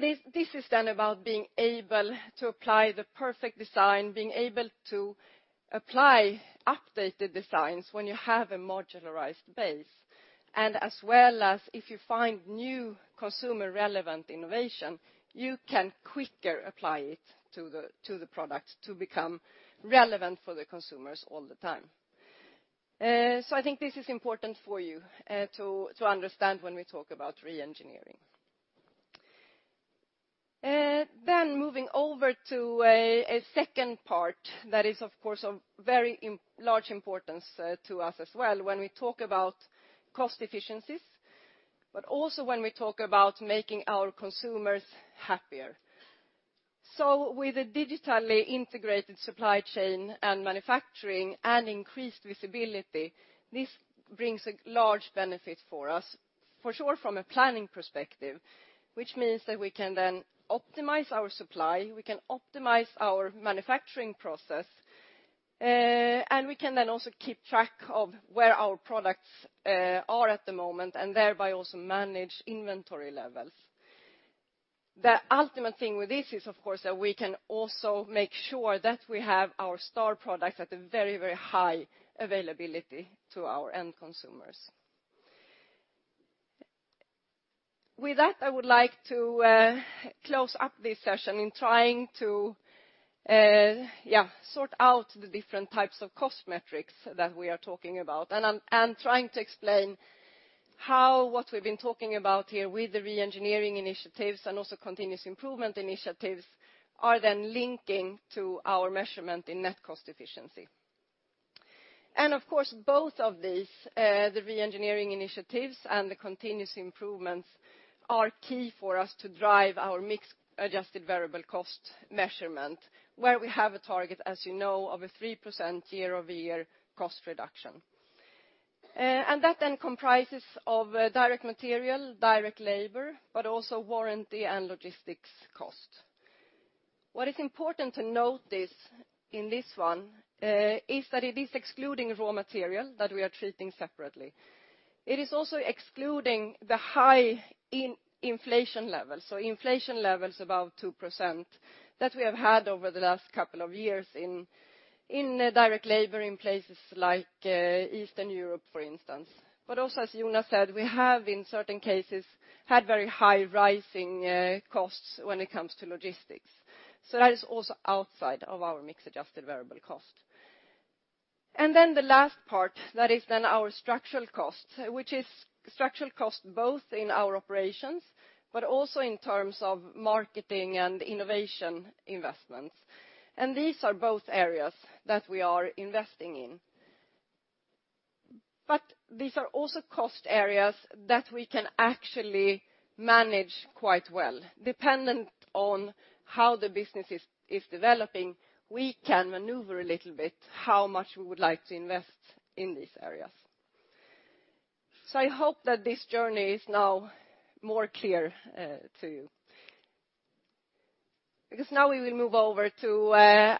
This is about being able to apply the perfect design, being able to apply updated designs when you have a modularized base, as well as if you find new consumer relevant innovation, you can quicker apply it to the product to become relevant for the consumers all the time. I think this is important for you to understand when we talk about re-engineering. Moving over to a second part that is, of course, of very large importance to us as well when we talk about cost efficiencies, but also when we talk about making our consumers happier. With a digitally integrated supply chain and manufacturing, and increased visibility, this brings a large benefit for us for sure from a planning perspective, which means that we can optimize our supply, we can optimize our manufacturing process, and we can also keep track of where our products are at the moment and thereby also manage inventory levels. The ultimate thing with this is, of course, that we can also make sure that we have our star products at a very, very high availability to our end consumers. With that, I would like to close up this session in trying to sort out the different types of cost metrics that we are talking about, and trying to explain how what we've been talking about here with the re-engineering initiatives and also continuous improvement initiatives are then linking to our measurement in net cost efficiency. Of course, both of these, the re-engineering initiatives and the continuous improvements, are key for us to drive our mix adjusted variable cost, where we have a target, as you know, of a 3% year-over-year cost reduction. That then comprises of direct material, direct labor, but also warranty and logistics cost. What is important to note in this one is that it is excluding raw material that we are treating separately. It is also excluding the high inflation levels, so inflation levels above 2%, that we have had over the last couple of years in Europe in direct labor in places like Eastern Europe, for instance. Also, as Jonas said, we have in certain cases had very high rising costs when it comes to logistics. That is also outside of our mix adjusted variable cost. The last part, that is then our structural cost, which is structural cost both in our operations, but also in terms of marketing and innovation investments. These are both areas that we are investing in. These are also cost areas that we can actually manage quite well. Dependent on how the business is developing, we can maneuver a little bit how much we would like to invest in these areas. I hope that this journey is now more clear to you. Now we will move over to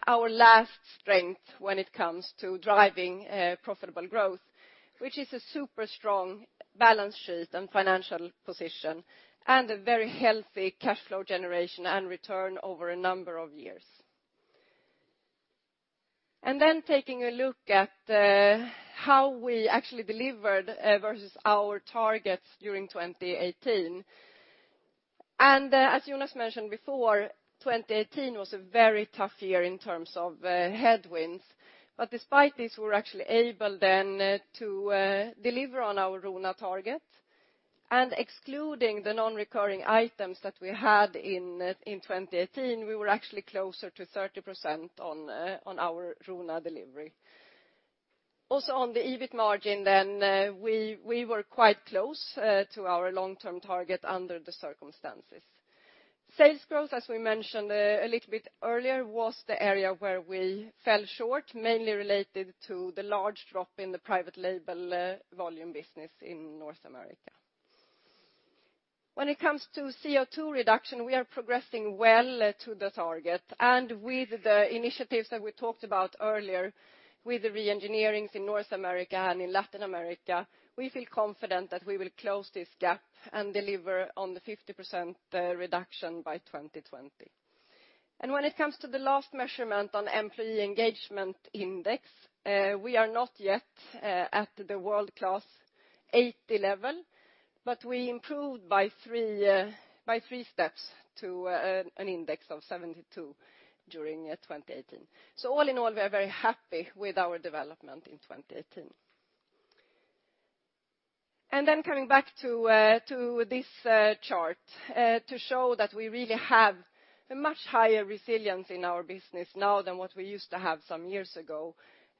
our last strength when it comes to driving profitable growth, which is a super strong balance sheet and financial position, and a very healthy cash flow generation and return over a number of years. Taking a look at how we actually delivered versus our targets during 2018. As Jonas mentioned before, 2018 was a very tough year in terms of headwinds. Despite this, we were actually able then to deliver on our RONA target. Excluding the non-recurring items that we had in 2018, we were actually closer to 30% on our RONA delivery. Also on the EBIT margin then, we were quite close to our long-term target under the circumstances. Sales growth, as we mentioned a little bit earlier, was the area where we fell short, mainly related to the large drop in the private label volume business in North America. When it comes to CO2 reduction, we are progressing well to the target. With the initiatives that we talked about earlier with the re-engineerings in North America and in Latin America, we feel confident that we will close this gap and deliver on the 50% reduction by 2020. When it comes to the last measurement on employee engagement index, we are not yet at the world-class 80 level, but we improved by three steps to an index of 72 during 2018. All in all, we are very happy with our development in 2018. Coming back to this chart to show that we really have a much higher resilience in our business now than what we used to have some years ago.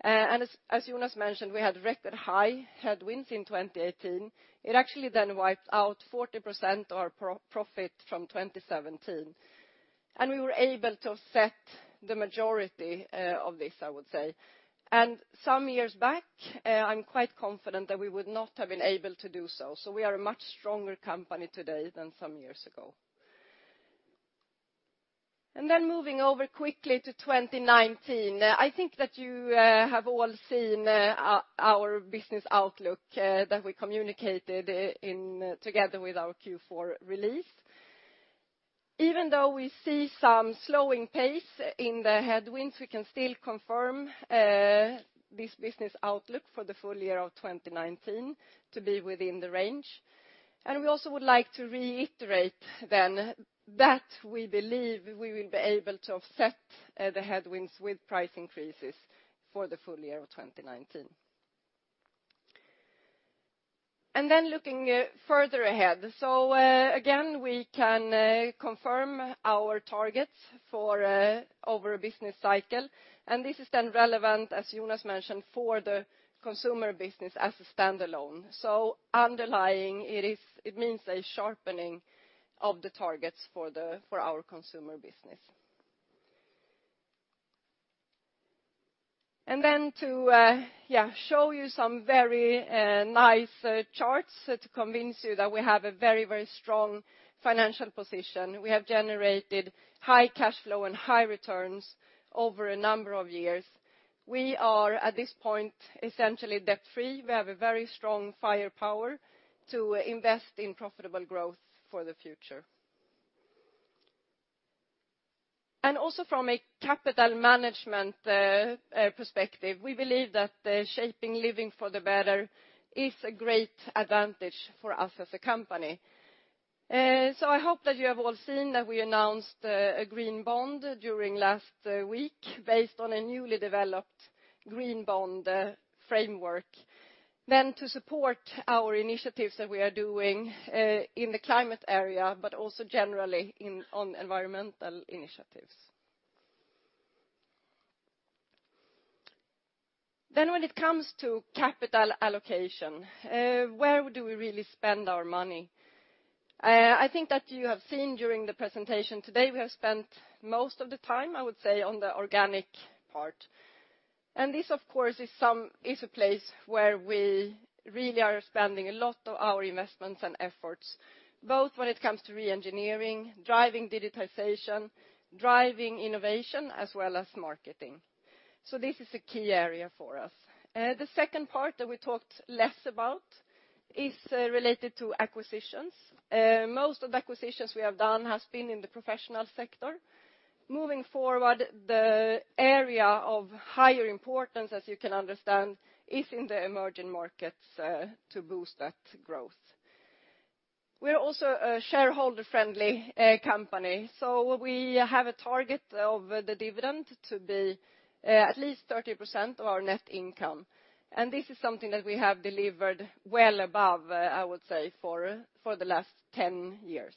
As Jonas mentioned, we had record high headwinds in 2018. It actually then wiped out 40% our profit from 2017. We were able to offset the majority of this, I would say. Some years back, I am quite confident that we would not have been able to do so. We are a much stronger company today than some years ago. Moving over quickly to 2019. I think that you have all seen our business outlook that we communicated together with our Q4 release. Even though we see some slowing pace in the headwinds, we can still confirm this business outlook for the full year of 2019 to be within the range. We also would like to reiterate that we believe we will be able to offset the headwinds with price increases for the full year of 2019. Looking further ahead. Again, we can confirm our targets over a business cycle. This is relevant, as Jonas mentioned, for the consumer business as a standalone. Underlying, it means a sharpening of the targets for our consumer business. To show you some very nice charts to convince you that we have a very strong financial position. We have generated high cash flow and high returns over a number of years. We are, at this point, essentially debt-free. We have a very strong firepower to invest in profitable growth for the future. Also from a capital management perspective, we believe that Shape living for the better is a great advantage for us as a company. I hope that you have all seen that we announced a green bond during last week based on a newly developed green bond framework. To support our initiatives that we are doing in the climate area, but also generally on environmental initiatives. When it comes to capital allocation, where do we really spend our money? I think that you have seen during the presentation today, we have spent most of the time, I would say, on the organic part. This, of course, is a place where we really are spending a lot of our investments and efforts, both when it comes to re-engineering, driving digitization, driving innovation, as well as marketing. This is a key area for us. The second part that we talked less about is related to acquisitions. Most of the acquisitions we have done has been in the professional sector. Moving forward, the area of higher importance, as you can understand, is in the emerging markets to boost that growth. We are also a shareholder-friendly company, so we have a target of the dividend to be at least 30% of our net income. This is something that we have delivered well above, I would say, for the last 10 years.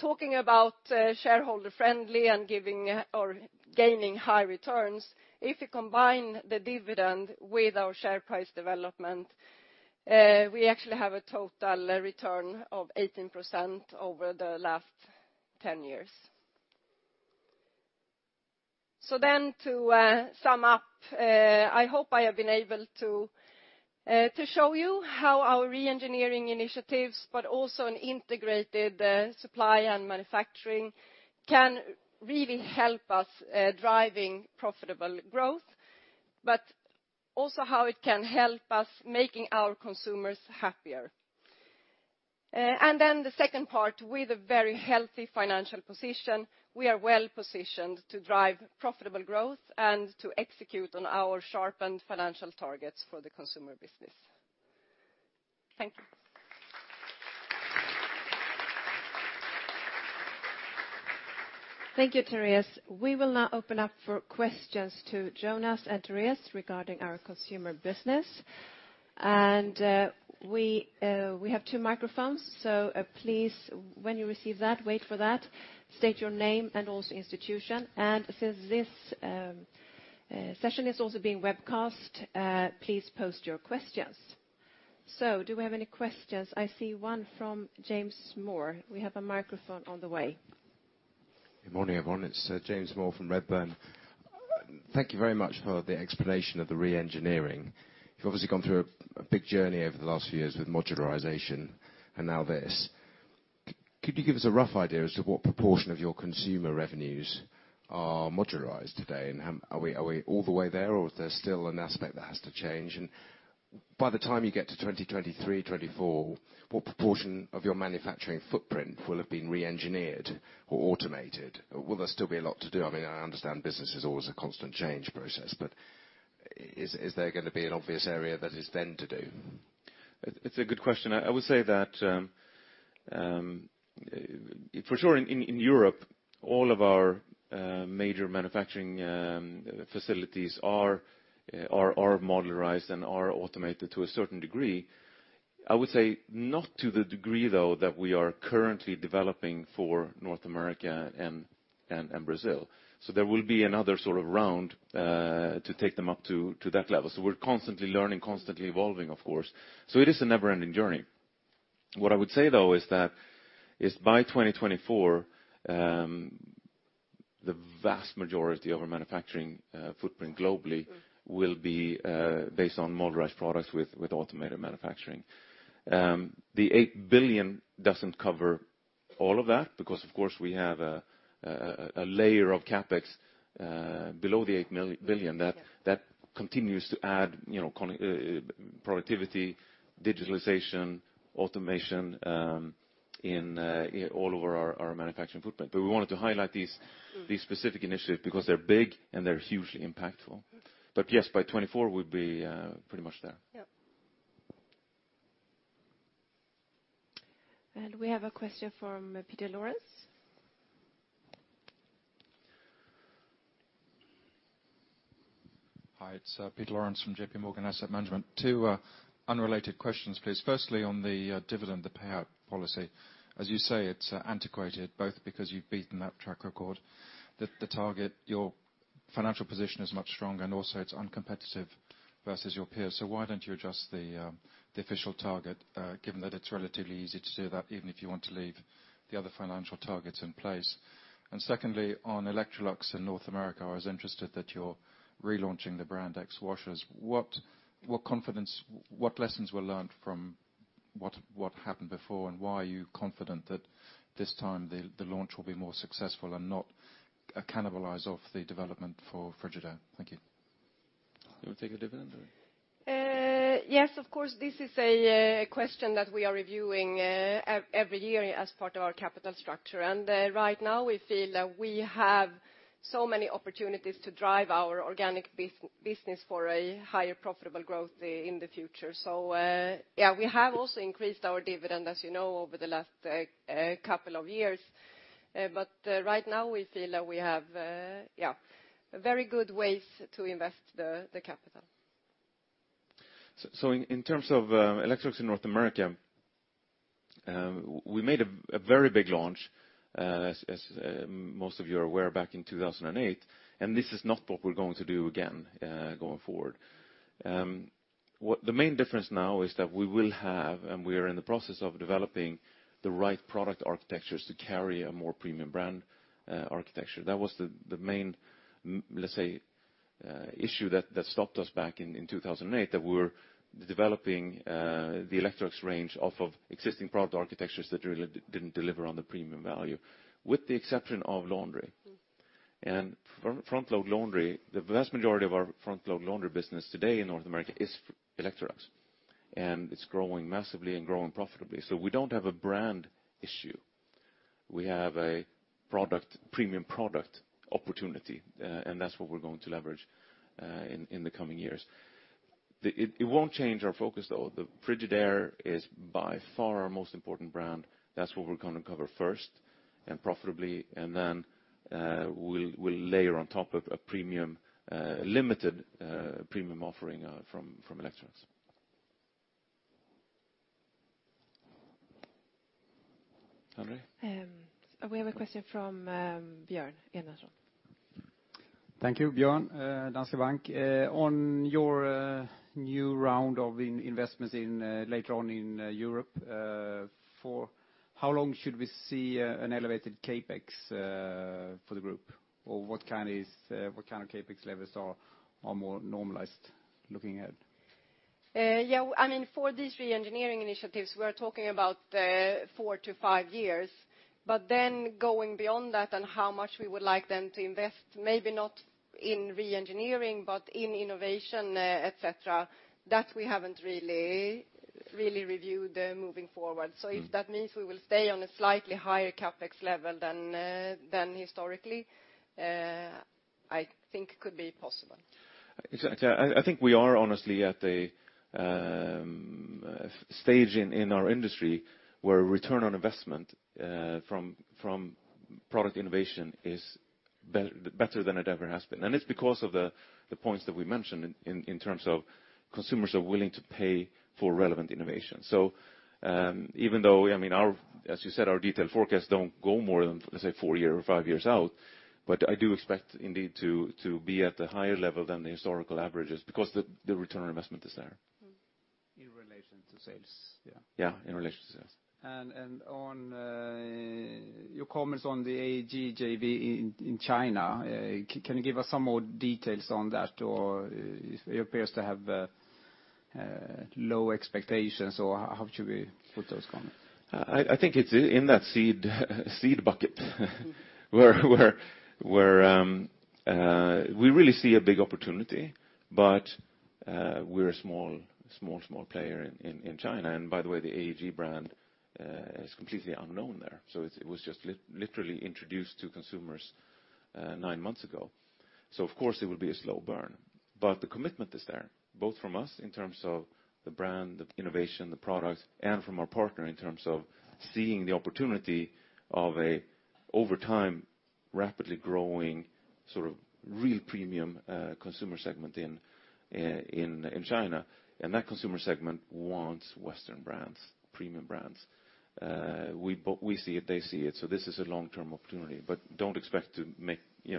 Talking about shareholder friendly and giving or gaining high returns. If we combine the dividend with our share price development, we actually have a total return of 18% over the last 10 years. To sum up, I hope I have been able to show you how our re-engineering initiatives, but also an integrated supply and manufacturing, can really help us driving profitable growth, but also how it can help us making our consumers happier. The second part, with a very healthy financial position, we are well-positioned to drive profitable growth and to execute on our sharpened financial targets for the consumer business. Thank you. Thank you, Therese. We will now open up for questions to Jonas and Therese regarding our consumer business. We have two microphones. Please, when you receive that, wait for that, state your name and also institution. Since this session is also being webcast, please post your questions. Do we have any questions? I see one from James Moore. We have a microphone on the way. Good morning, everyone. It's James Moore from Redburn. Thank you very much for the explanation of the re-engineering. You've obviously gone through a big journey over the last few years with modularization and now this. Could you give us a rough idea as to what proportion of your consumer revenues are modularized today, and are we all the way there or is there still an aspect that has to change? By the time you get to 2023, 2024, what proportion of your manufacturing footprint will have been re-engineered or automated? Will there still be a lot to do? I understand business is always a constant change process, but is there going to be an obvious area that is then to do? It's a good question. I would say that for sure in Europe, all of our major manufacturing facilities are modularized and are automated to a certain degree. I would say not to the degree, though, that we are currently developing for North America and Brazil. There will be another sort of round to take them up to that level. We're constantly learning, constantly evolving, of course. It is a never-ending journey. What I would say, though, is that by 2024, the vast majority of our manufacturing footprint globally will be based on modularized products with automated manufacturing. The 8 billion doesn't cover all of that because, of course, we have a layer of CapEx below the 8 billion that continues to add productivity, digitalization, automation in all over our manufacturing footprint. We wanted to highlight these specific initiatives because they're big and they're hugely impactful. Yes, by 2024, we'll be pretty much there. Yep. We have a question from Peter Lawrence. Hi, it's Peter Lawrence from J.P. Morgan Asset Management. Two unrelated questions, please. Firstly, on the dividend, the payout policy. As you say, it's antiquated both because you've beaten that track record, that the target, your financial position is much stronger and also it's uncompetitive versus your peers. Why don't you adjust the official target, given that it's relatively easy to do that, even if you want to leave the other financial targets in place? Secondly, on Electrolux in North America, I was interested that you're relaunching the brand x washers. What lessons were learned from what happened before, and why are you confident that this time the launch will be more successful and not cannibalize off the development for Frigidaire? Thank you. You want to take the dividend? Yes, of course, this is a question that we are reviewing every year as part of our capital structure. Right now we feel we have so many opportunities to drive our organic business for a higher profitable growth in the future. We have also increased our dividend, as you know, over the last couple of years. Right now we feel we have very good ways to invest the capital. In terms of Electrolux in North America, we made a very big launch, as most of you are aware, back in 2008. This is not what we're going to do again, going forward. The main difference now is that we will have, and we are in the process of developing the right product architectures to carry a more premium brand architecture. That was the main, let's say, issue that stopped us back in 2008, that we were developing the Electrolux range off of existing product architectures that really didn't deliver on the premium value, with the exception of laundry. And front-load laundry, the vast majority of our front-load laundry business today in North America is Electrolux, and it's growing massively and growing profitably. We don't have a brand issue. We have a premium product opportunity, and that's what we're going to leverage, in the coming years. It won't change our focus, though. Frigidaire is by far our most important brand. That's what we're going to cover first, and profitably, and then, we'll layer on top of a limited premium offering from Electrolux. Henry? We have a question from Björn Enarson. Thank you. Björn, Danske Bank. On your new round of investments later on in Europe, for how long should we see an elevated CapEx for the group? What kind of CapEx levels are more normalized looking ahead? Yeah, for these re-engineering initiatives, we are talking about four to five years, but then going beyond that and how much we would like them to invest, maybe not in re-engineering, but in innovation, et cetera. That we haven't really reviewed moving forward. If that means we will stay on a slightly higher CapEx level than historically, I think could be possible. Exactly. I think we are honestly at a stage in our industry where return on investment from product innovation is better than it ever has been. It's because of the points that we mentioned in terms of consumers are willing to pay for relevant innovation. Even though, as you said, our detailed forecasts don't go more than, let's say, four year or five years out, I do expect indeed to be at a higher level than the historical averages, because the return on investment is there. In relation to sales, yeah. Yeah, in relation to sales. On your comments on the AEG JV in China, can you give us some more details on that? It appears to have low expectations, or how should we put those comments? I think it's in that seed bucket where we really see a big opportunity, but we're a small player in China. By the way, the AEG brand is completely unknown there. It was just literally introduced to consumers nine months ago. Of course it will be a slow burn, but the commitment is there, both from us in terms of the brand, the innovation, the products, and from our partner in terms of seeing the opportunity of a, over time, rapidly growing real premium consumer segment in China. That consumer segment wants Western brands, premium brands. We see it, they see it, this is a long-term opportunity, but don't expect to be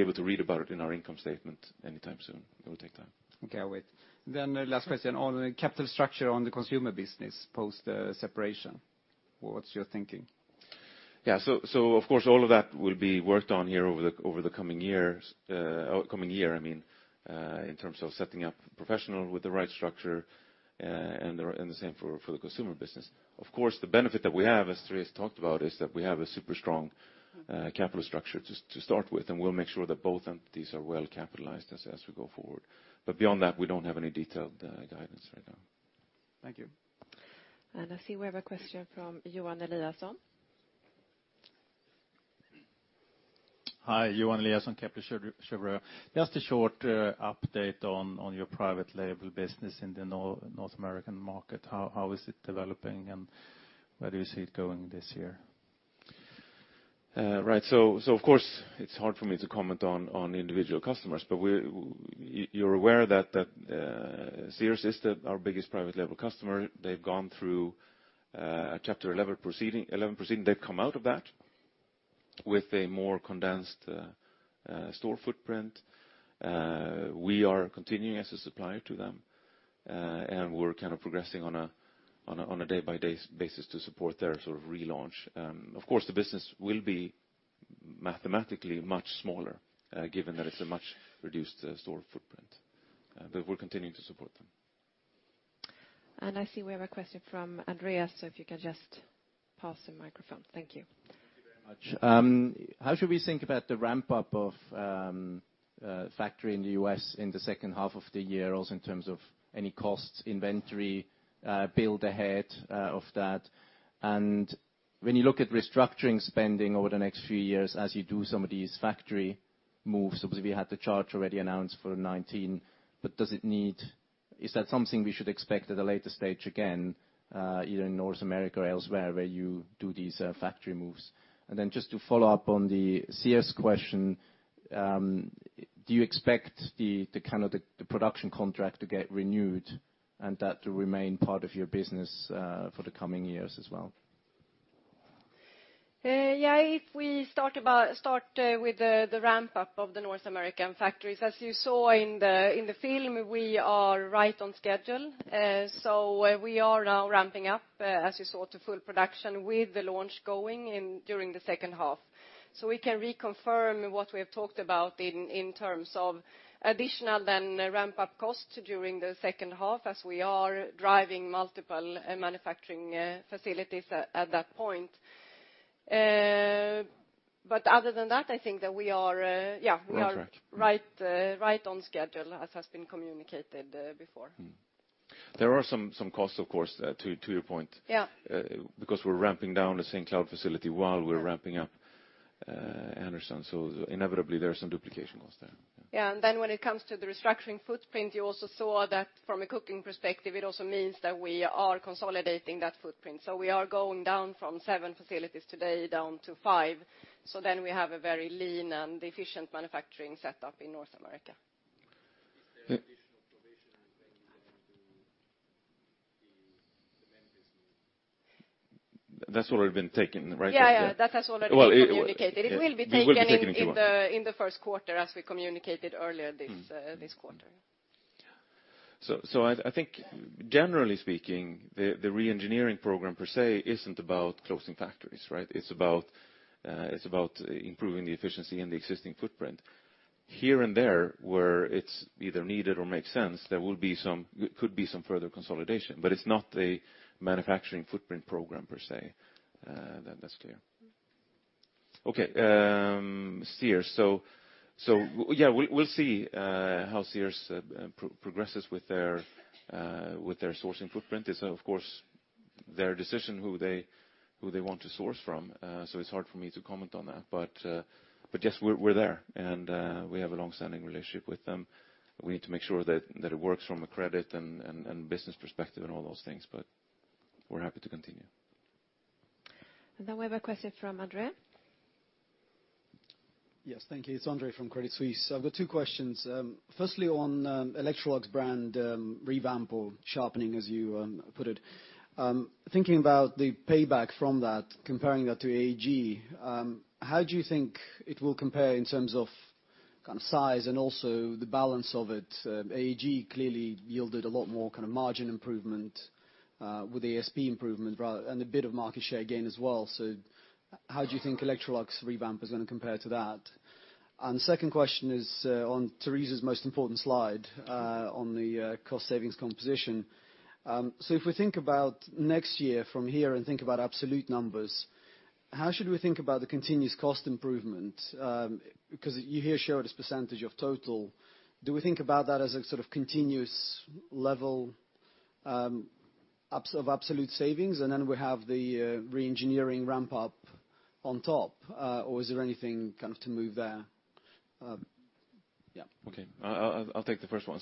able to read about it in our income statement anytime soon. It will take time. Okay, I'll wait. Last question, on the capital structure on the consumer business post-separation. What's your thinking? Yeah. Of course, all of that will be worked on here over the coming year, in terms of setting up professional with the right structure, and the same for the consumer business. Of course, the benefit that we have, as Therese talked about, is that we have a super strong capital structure to start with, and we'll make sure that both entities are well capitalized as we go forward. Beyond that, we don't have any detailed guidance right now. Thank you. I see we have a question from Johan Eliason. Hi, Johan Eliason, Kepler Cheuvreux. Just a short update on your private label business in the North American market. How is it developing, and where do you see it going this year? Right. Of course, it's hard for me to comment on individual customers. You're aware that Sears is our biggest private label customer. They've gone through a Chapter 11 proceeding. They've come out of that with a more condensed store footprint. We are continuing as a supplier to them, and we're kind of progressing on a day-by-day basis to support their relaunch. Of course, the business will be mathematically much smaller, given that it's a much reduced store footprint. We're continuing to support them. I see we have a question from Andreas, if you can just pass the microphone. Thank you. Thank you very much. How should we think about the ramp-up of factory in the U.S. in the second half of the year, also in terms of any costs, inventory, build ahead of that? When you look at restructuring spending over the next few years, as you do some of these factory moves, obviously we had the charge already announced for 2019, is that something we should expect at a later stage again, either in North America or elsewhere where you do these factory moves? Then just to follow up on the Sears question, do you expect the production contract to get renewed and that to remain part of your business for the coming years as well? Yeah. If we start with the ramp-up of the North American factories. As you saw in the film, we are right on schedule. We are now ramping up, as you saw, to full production with the launch going during the second half. We can reconfirm what we have talked about in terms of additional then ramp-up costs during the second half, as we are driving multiple manufacturing facilities at that point. Other than that, I think that we are right on schedule, as has been communicated before. There are some costs, of course, to your point. Yeah. We're ramping down the St. Cloud facility while we're ramping up Anderson. Inevitably there are some duplication costs there. When it comes to the restructuring footprint, you also saw that from a cooking perspective, it also means that we are consolidating that footprint. We are going down from seven facilities today down to five. We have a very lean and efficient manufacturing setup in North America. Is there additional provision when you plan to close the Memphis Plant? That's already been taken, right? Yeah. That has already been communicated. Well, it will be taken. It will be taken in the first quarter as we communicated earlier this quarter. I think generally speaking, the re-engineering program per se isn't about closing factories, right? It's about improving the efficiency in the existing footprint. Here and there where it's either needed or makes sense, there could be some further consolidation, but it's not a manufacturing footprint program per se. That's clear. Okay. Sears. We'll see how Sears progresses with their sourcing footprint. It's, of course, their decision who they want to source from. It's hard for me to comment on that. But yes, we're there, and we have a long-standing relationship with them. We need to make sure that it works from a credit and business perspective and all those things, but we're happy to continue. Then we have a question from Andre. Yes. Thank you. It's Andre from Credit Suisse. I've got two questions. Firstly, on Electrolux brand revamp or sharpening, as you put it. Thinking about the payback from that, comparing that to AEG, how do you think it will compare in terms of size and also the balance of it? AEG clearly yielded a lot more margin improvement, with ASP improvement, and a bit of market share gain as well. How do you think Electrolux revamp is going to compare to that? The second question is on Therese's most important slide on the cost savings composition. If we think about next year from here and think about absolute numbers, how should we think about the continuous cost improvement? Because you hear share it as % of total. Do we think about that as a continuous level of absolute savings, and then we have the re-engineering ramp-up on top? Or is there anything to move there? Yeah. Okay. I'll take the first one.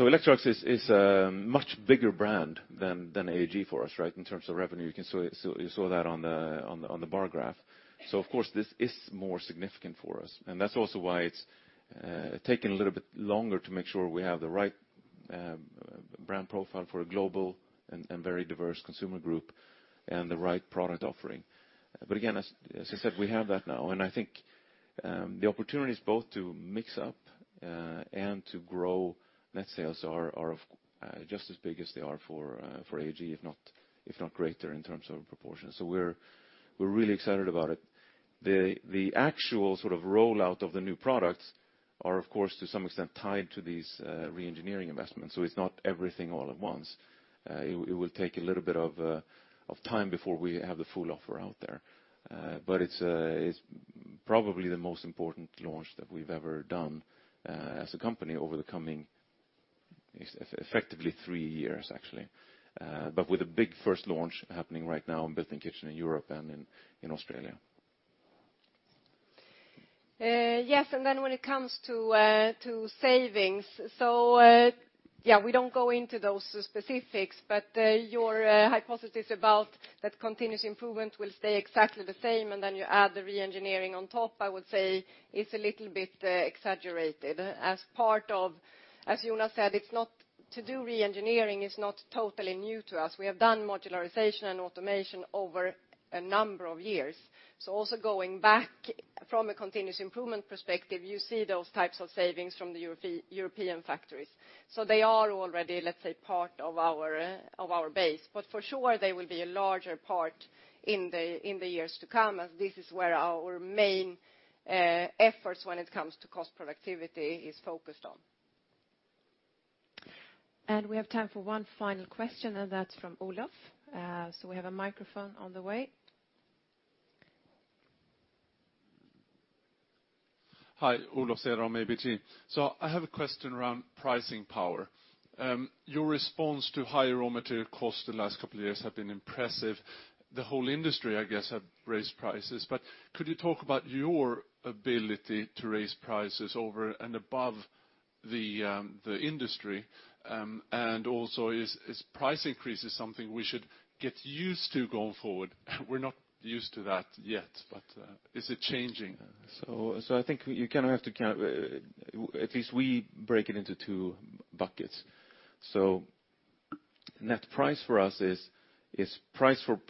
Electrolux is a much bigger brand than AEG for us, right? In terms of revenue, you saw that on the bar graph. Of course, this is more significant for us, and that's also why it's taken a little bit longer to make sure we have the right brand profile for a global and very diverse consumer group, and the right product offering. Again, as I said, we have that now, and I think the opportunities both to mix up and to grow net sales are just as big as they are for AEG, if not greater in terms of proportion. We're really excited about it. The actual rollout of the new products are, of course, to some extent tied to these re-engineering investments. It's not everything all at once. It will take a little bit of time before we have the full offer out there. It's probably the most important launch that we've ever done as a company over the coming effectively three years, actually. With a big first launch happening right now in built-in kitchen in Europe and in Australia. Yes, when it comes to savings. We don't go into those specifics, your hypothesis about that continuous improvement will stay exactly the same, you add the re-engineering on top, I would say is a little bit exaggerated. As Jonas said, to do re-engineering is not totally new to us. We have done modularization and automation over a number of years. Also going back from a continuous improvement perspective, you see those types of savings from the European factories. They are already, let's say, part of our base. For sure, they will be a larger part in the years to come, as this is where our main efforts when it comes to cost productivity is focused on. We have time for one final question, and that's from Olof. We have a microphone on the way. Hi. Olof Cederholm from ABG. I have a question around pricing power. Your response to higher raw material costs the last couple of years have been impressive. The whole industry, I guess, have raised prices. Could you talk about your ability to raise prices over and above the industry? Is price increases something we should get used to going forward? We're not used to that yet, but is it changing? I think at least we break it into two buckets. Net price for us is price for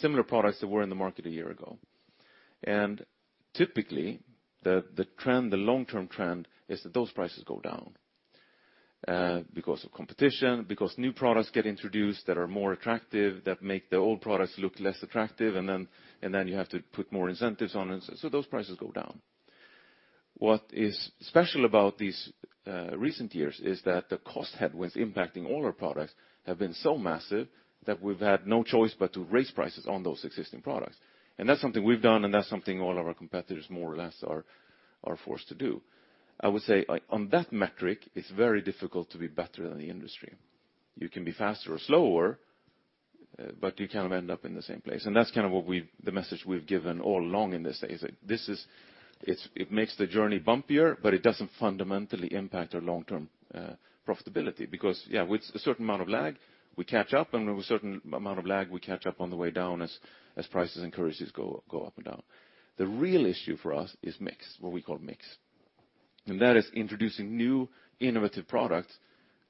similar products that were in the market a year ago. Typically, the long-term trend is that those prices go down, because of competition, because new products get introduced that are more attractive, that make the old products look less attractive, then you have to put more incentives on it. Those prices go down. What is special about these recent years is that the cost headwinds impacting all our products have been so massive that we've had no choice but to raise prices on those existing products. That's something we've done, and that's something all of our competitors more or less are forced to do. I would say, on that metric, it's very difficult to be better than the industry. You can be faster or slower, you kind of end up in the same place. That's the message we've given all along in this is, it makes the journey bumpier, but it doesn't fundamentally impact our long-term profitability because, yeah, with a certain amount of lag, we catch up, with a certain amount of lag, we catch up on the way down as prices and currencies go up and down. The real issue for us is mix, what we call mix. That is introducing new innovative products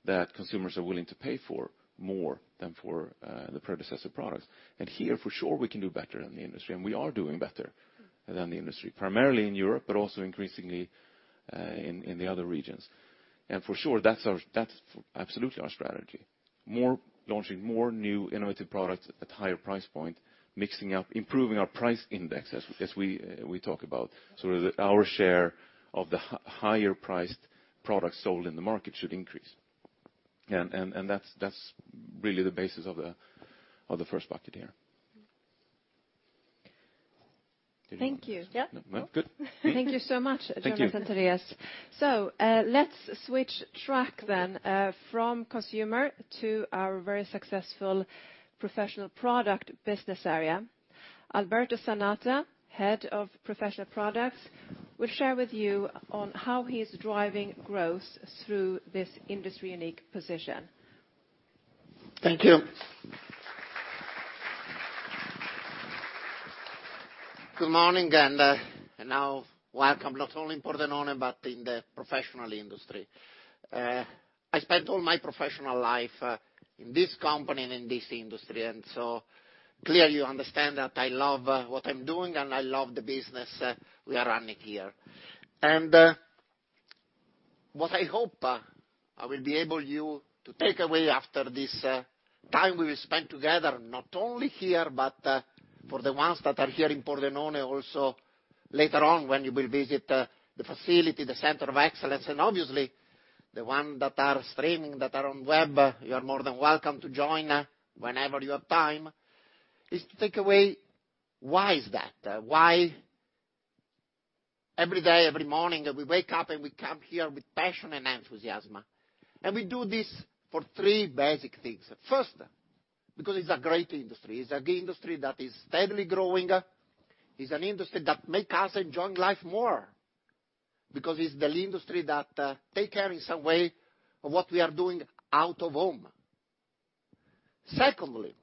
that consumers are willing to pay for more than for the predecessor products. Here, for sure, we can do better than the industry, and we are doing better than the industry, primarily in Europe, but also increasingly in the other regions. For sure, that's absolutely our strategy. Launching more new innovative products at higher price point, mixing up, improving our price index as we talk about. That our share of the higher priced products sold in the market should increase. That's really the basis of the first bucket here. Thank you. Yeah. Good. Thank you so much, Jonas, Therese. Thank you. Let's switch track then from consumer to our very successful professional product business area. Alberto Zanata, Head of Professional Products, will share with you on how he's driving growth through this industry-unique position. Thank you. Good morning, and welcome not only in Pordenone but in the professional industry. I spent all my professional life in this company and in this industry, clearly you understand that I love what I'm doing, and I love the business we are running here. What I hope I will be able you to take away after this time we will spend together, not only here, but for the ones that are here in Pordenone also later on when you will visit the facility, the center of excellence. Obviously the one that are streaming, that are on web, you are more than welcome to join whenever you have time, is to take away why is that? Why every day, every morning we wake up and we come here with passion and enthusiasm? We do this for three basic things. First, because it's a great industry. It's an industry that is steadily growing. It's an industry that make us enjoy life more because it's the industry that take care in some way of what we are doing out of home. Secondly,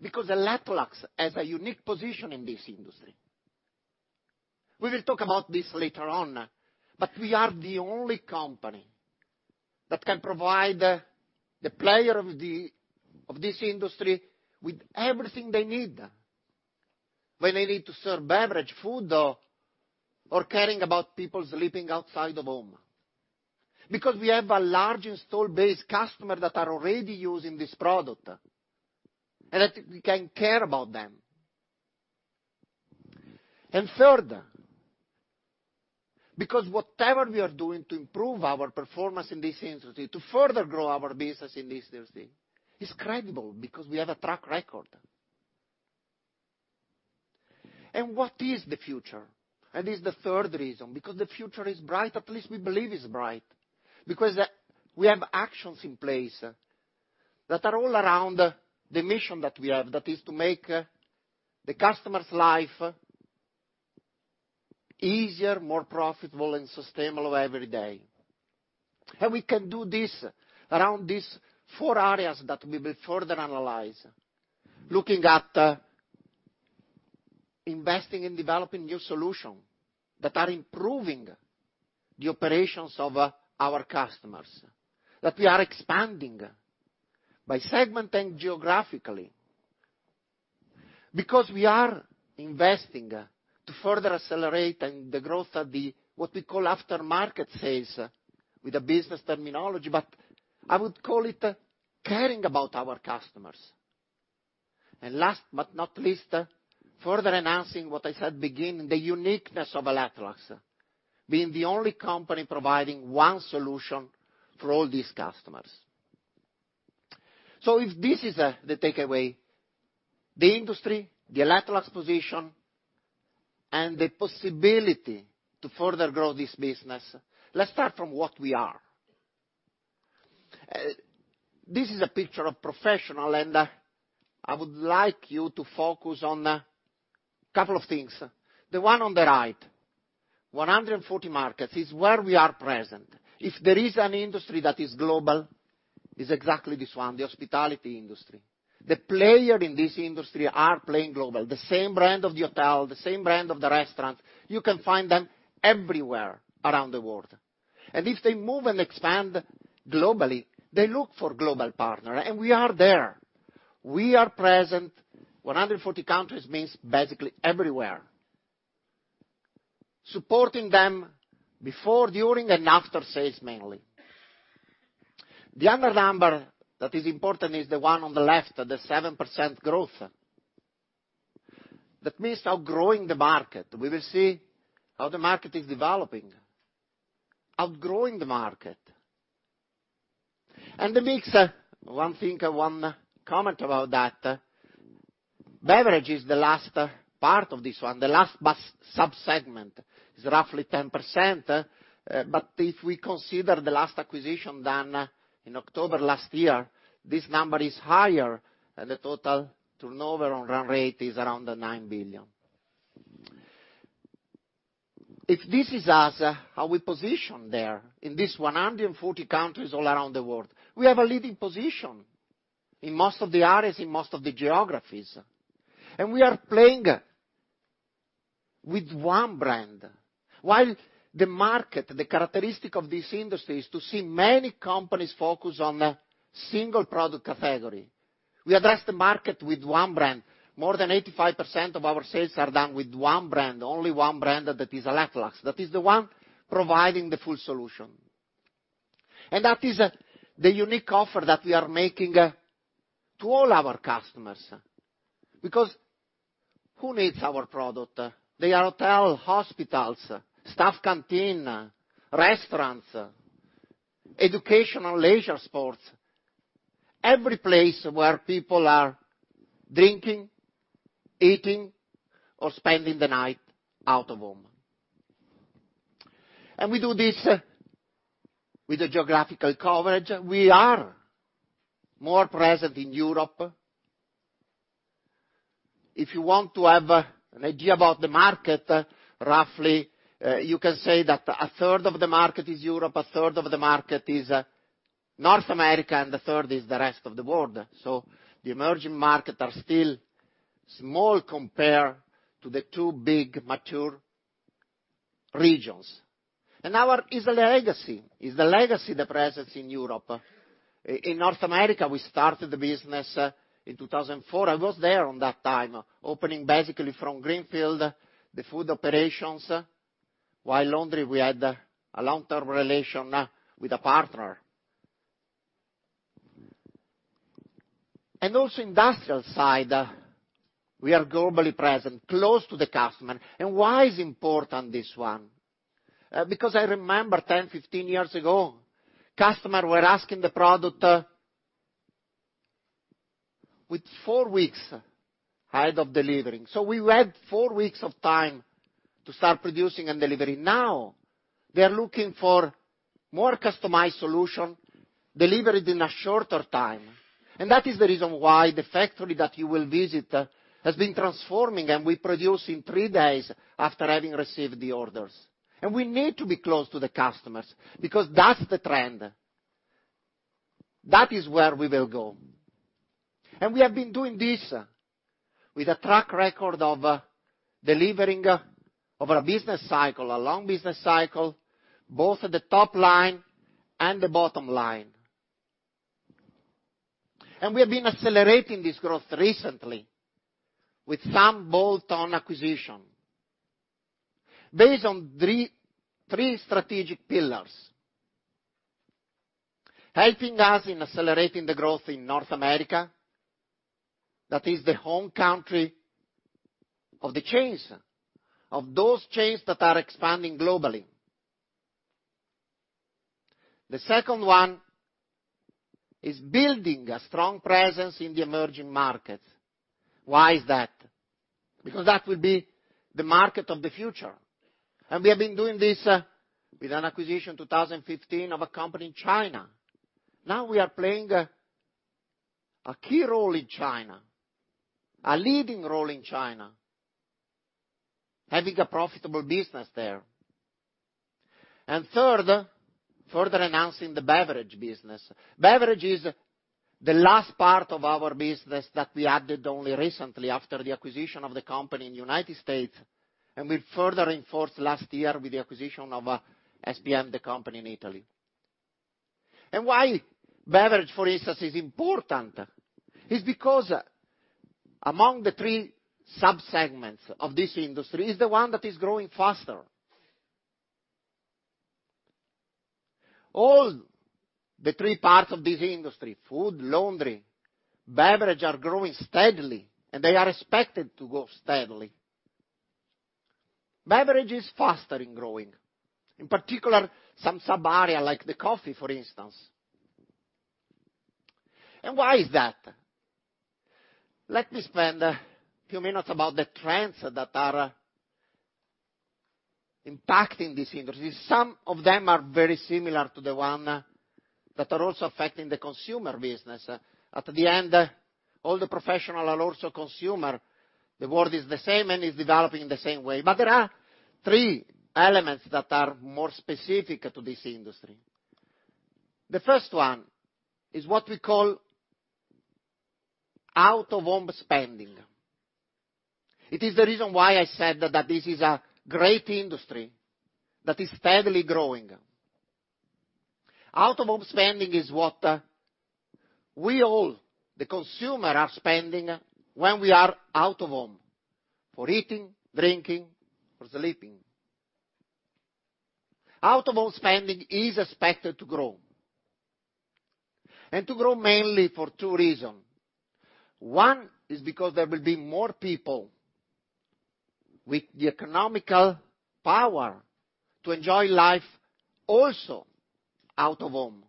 because Electrolux has a unique position in this industry. We will talk about this later on, but we are the only company that can provide the player of this industry with everything they need when they need to serve beverage, food, or caring about people sleeping outside the home. We have a large install base customer that are already using this product, and that we can care about them. Third, because whatever we are doing to improve our performance in this industry, to further grow our business in this industry is credible because we have a track record. What is the future? Is the third reason, because the future is bright, at least we believe it's bright, because we have actions in place that are all around the mission that we have. Is to make the customer's life easier, more profitable, and sustainable every day. We can do this around these four areas that we will further analyze. Looking at investing in developing new solution that are improving the operations of our customers. We are expanding by segment and geographically. We are investing to further accelerate and the growth of the, what we call aftermarket sales with a business terminology. I would call it caring about our customers. Last but not least, further enhancing what I said beginning, the uniqueness of Electrolux being the only company providing one solution for all these customers. If this is the takeaway, the industry, the Electrolux position, and the possibility to further grow this business, let's start from what we are. This is a picture of Professional, and I would like you to focus on a couple of things. The one on the right, 140 markets, is where we are present. If there is an industry that is global, is exactly this one, the hospitality industry. The player in this industry are playing global. The same brand of the hotel, the same brand of the restaurant, you can find them everywhere around the world. If they move and expand globally, they look for global partner, and we are there. We are present, 140 countries means basically everywhere. Supporting them before, during, and after sales mainly. The other number that is important is the one on the left, the 7% growth. Means outgrowing the market. We will see how the market is developing, outgrowing the market. The mix, one thing, one comment about that, beverage is the last part of this one, the last sub-segment, is roughly 10%, but if we consider the last acquisition done in October last year, this number is higher, and the total turnover on run rate is around 9 billion. If this is us, how we position there in this 140 countries all around the world, we have a leading position in most of the areas, in most of the geographies, and we are playing with one brand. While the market, the characteristic of this industry is to see many companies focus on a single product category, we address the market with one brand. More than 85% of our sales are done with one brand, only one brand, that is Electrolux. That is the one providing the full solution. That is the unique offer that we are making to all our customers, because who needs our product? They are hotel, hospitals, staff canteen, restaurants, educational, leisure sports, every place where people are drinking, eating, or spending the night out of home. We do this with a geographical coverage. We are more present in Europe. If you want to have an idea about the market, roughly, you can say that 1/3 of the market is Europe, 1/3 of the market is North America, and a third is the rest of the world. The emerging markets are still small compared to the two big mature regions. Now it's the legacy, it's the legacy, the presence in Europe. In North America, we started the business in 2004. I was there on that time, opening basically from greenfield the food operations, while laundry, we had a long-term relation with a partner. Also industrial side, we are globally present, close to the customer. Why is important, this one? Because I remember 10, 15 years ago, customer were asking the product with four weeks ahead of delivering. We had four weeks of time to start producing and delivering. Now they're looking for more customized solution, delivered in a shorter time. That is the reason why the factory that you will visit has been transforming, and we produce in three days after having received the orders. We need to be close to the customers because that's the trend. That is where we will go. We have been doing this with a track record of delivering over a business cycle, a long business cycle, both at the top line and the bottom line. We have been accelerating this growth recently with some bolt-on acquisition based on three strategic pillars. Helping us in accelerating the growth in North America, that is the home country of the chains, of those chains that are expanding globally. The second one is building a strong presence in the emerging markets. Why is that? Because that will be the market of the future. We have been doing this with an acquisition 2015 of a company in China. Now we are playing a key role in China, a leading role in China, having a profitable business there. Third, further enhancing the beverage business. Beverage is the last part of our business that we added only recently after the acquisition of the company in U.S., and we further reinforced last year with the acquisition of SPM, the company in Italy. Why beverage, for instance, is important, is because among the three sub-segments of this industry, it's the one that is growing faster. All the three parts of this industry, food, laundry, beverage, are growing steadily, and they are expected to grow steadily. Beverage is faster in growing, in particular some sub-area like the coffee, for instance. Why is that? Let me spend a few minutes about the trends that are impacting this industry. Some of them are very similar to the one that are also affecting the consumer business. At the end, all the professional and also consumer, the world is the same and is developing in the same way. There are three elements that are more specific to this industry. The first one is what we call Out-of-Home spending. It is the reason why I said that this is a great industry that is steadily growing. Out-of-Home spending is what we all, the consumer, are spending when we are out of home, for eating, drinking, for sleeping. Out-of-Home spending is expected to grow, and to grow mainly for two reasons. One is because there will be more people with the economic power to enjoy life also out of home.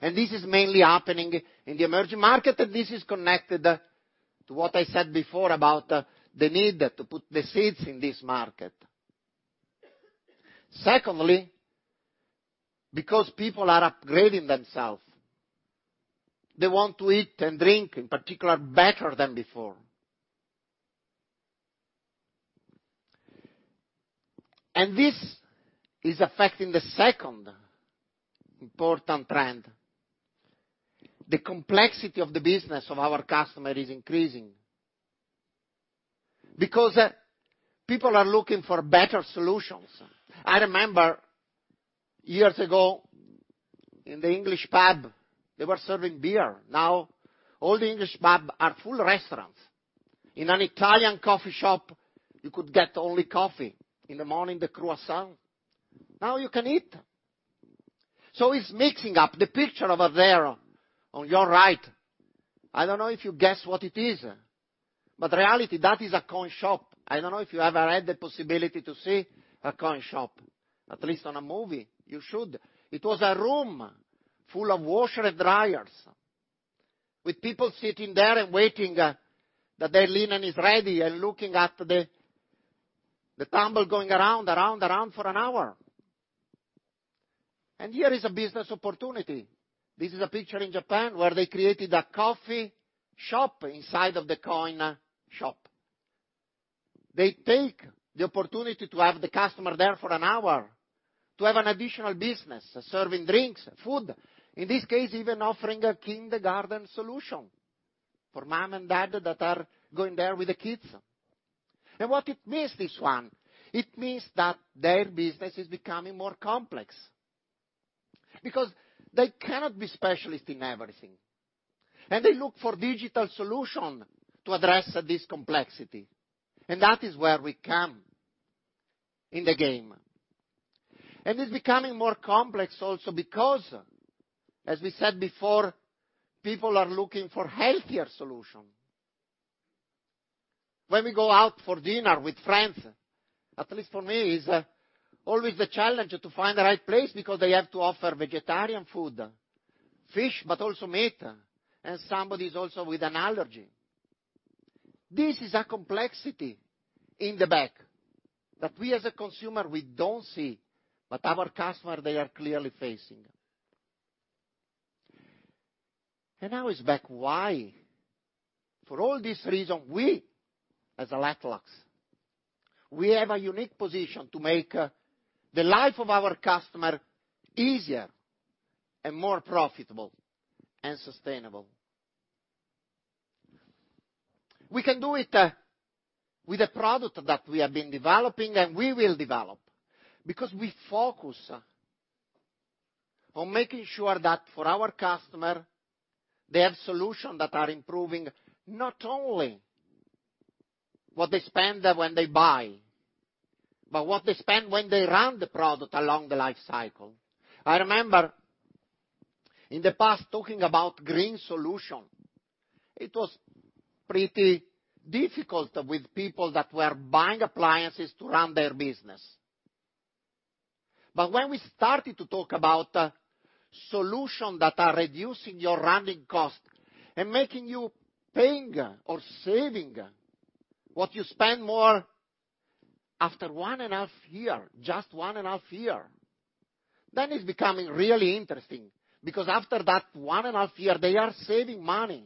This is mainly happening in the emerging market, and this is connected to what I said before about the need to put the seeds in this market. Secondly, because people are upgrading themselves. They want to eat and drink, in particular, better than before. This is affecting the second important trend. The complexity of the business of our customer is increasing because people are looking for better solutions. I remember years ago in the English pub, they were serving beer. Now all the English pub are full restaurants. In an Italian coffee shop, you could get only coffee. In the morning, the croissant. Now you can eat. It's mixing up the picture over there on your right. I don't know if you guess what it is, but reality, that is a coin shop. I don't know if you ever had the possibility to see a coin shop, at least on a movie? You should. It was a room full of washer and dryers with people sitting there and waiting that their linen is ready and looking at the tumble going around, around for an hour. Here is a business opportunity. This is a picture in Japan where they created a coffee shop inside of the coin shop. They take the opportunity to have the customer there for an hour to have an additional business serving drinks, food. In this case, even offering a kindergarten solution for mom and dad that are going there with the kids. What it means, this one? It means that their business is becoming more complex, because they cannot be specialist in everything, and they look for digital solution to address this complexity. That is where we come in the game. It's becoming more complex also because, as we said before, people are looking for healthier solution. When we go out for dinner with friends, at least for me, it's always a challenge to find the right place because they have to offer vegetarian food, fish, but also meat, and somebody's also with an allergy. This is a complexity in the back that we as a consumer, we don't see, but our customer, they are clearly facing. Now is back why, for all these reasons, we as Electrolux, we have a unique position to make the life of our customer easier and more profitable and sustainable. We can do it with a product that we have been developing, and we will develop because we focus on making sure that for our customer, they have solutions that are improving not only what they spend when they buy, but what they spend when they run the product along the life cycle. I remember in the past talking about green solutions, it was pretty difficult with people that were buying appliances to run their business. When we started to talk about solutions that are reducing your running cost and making you paying or saving what you spend more after 1.5 Year, just 1.5 year, it's becoming really interesting. After that 1.5 year, they are saving money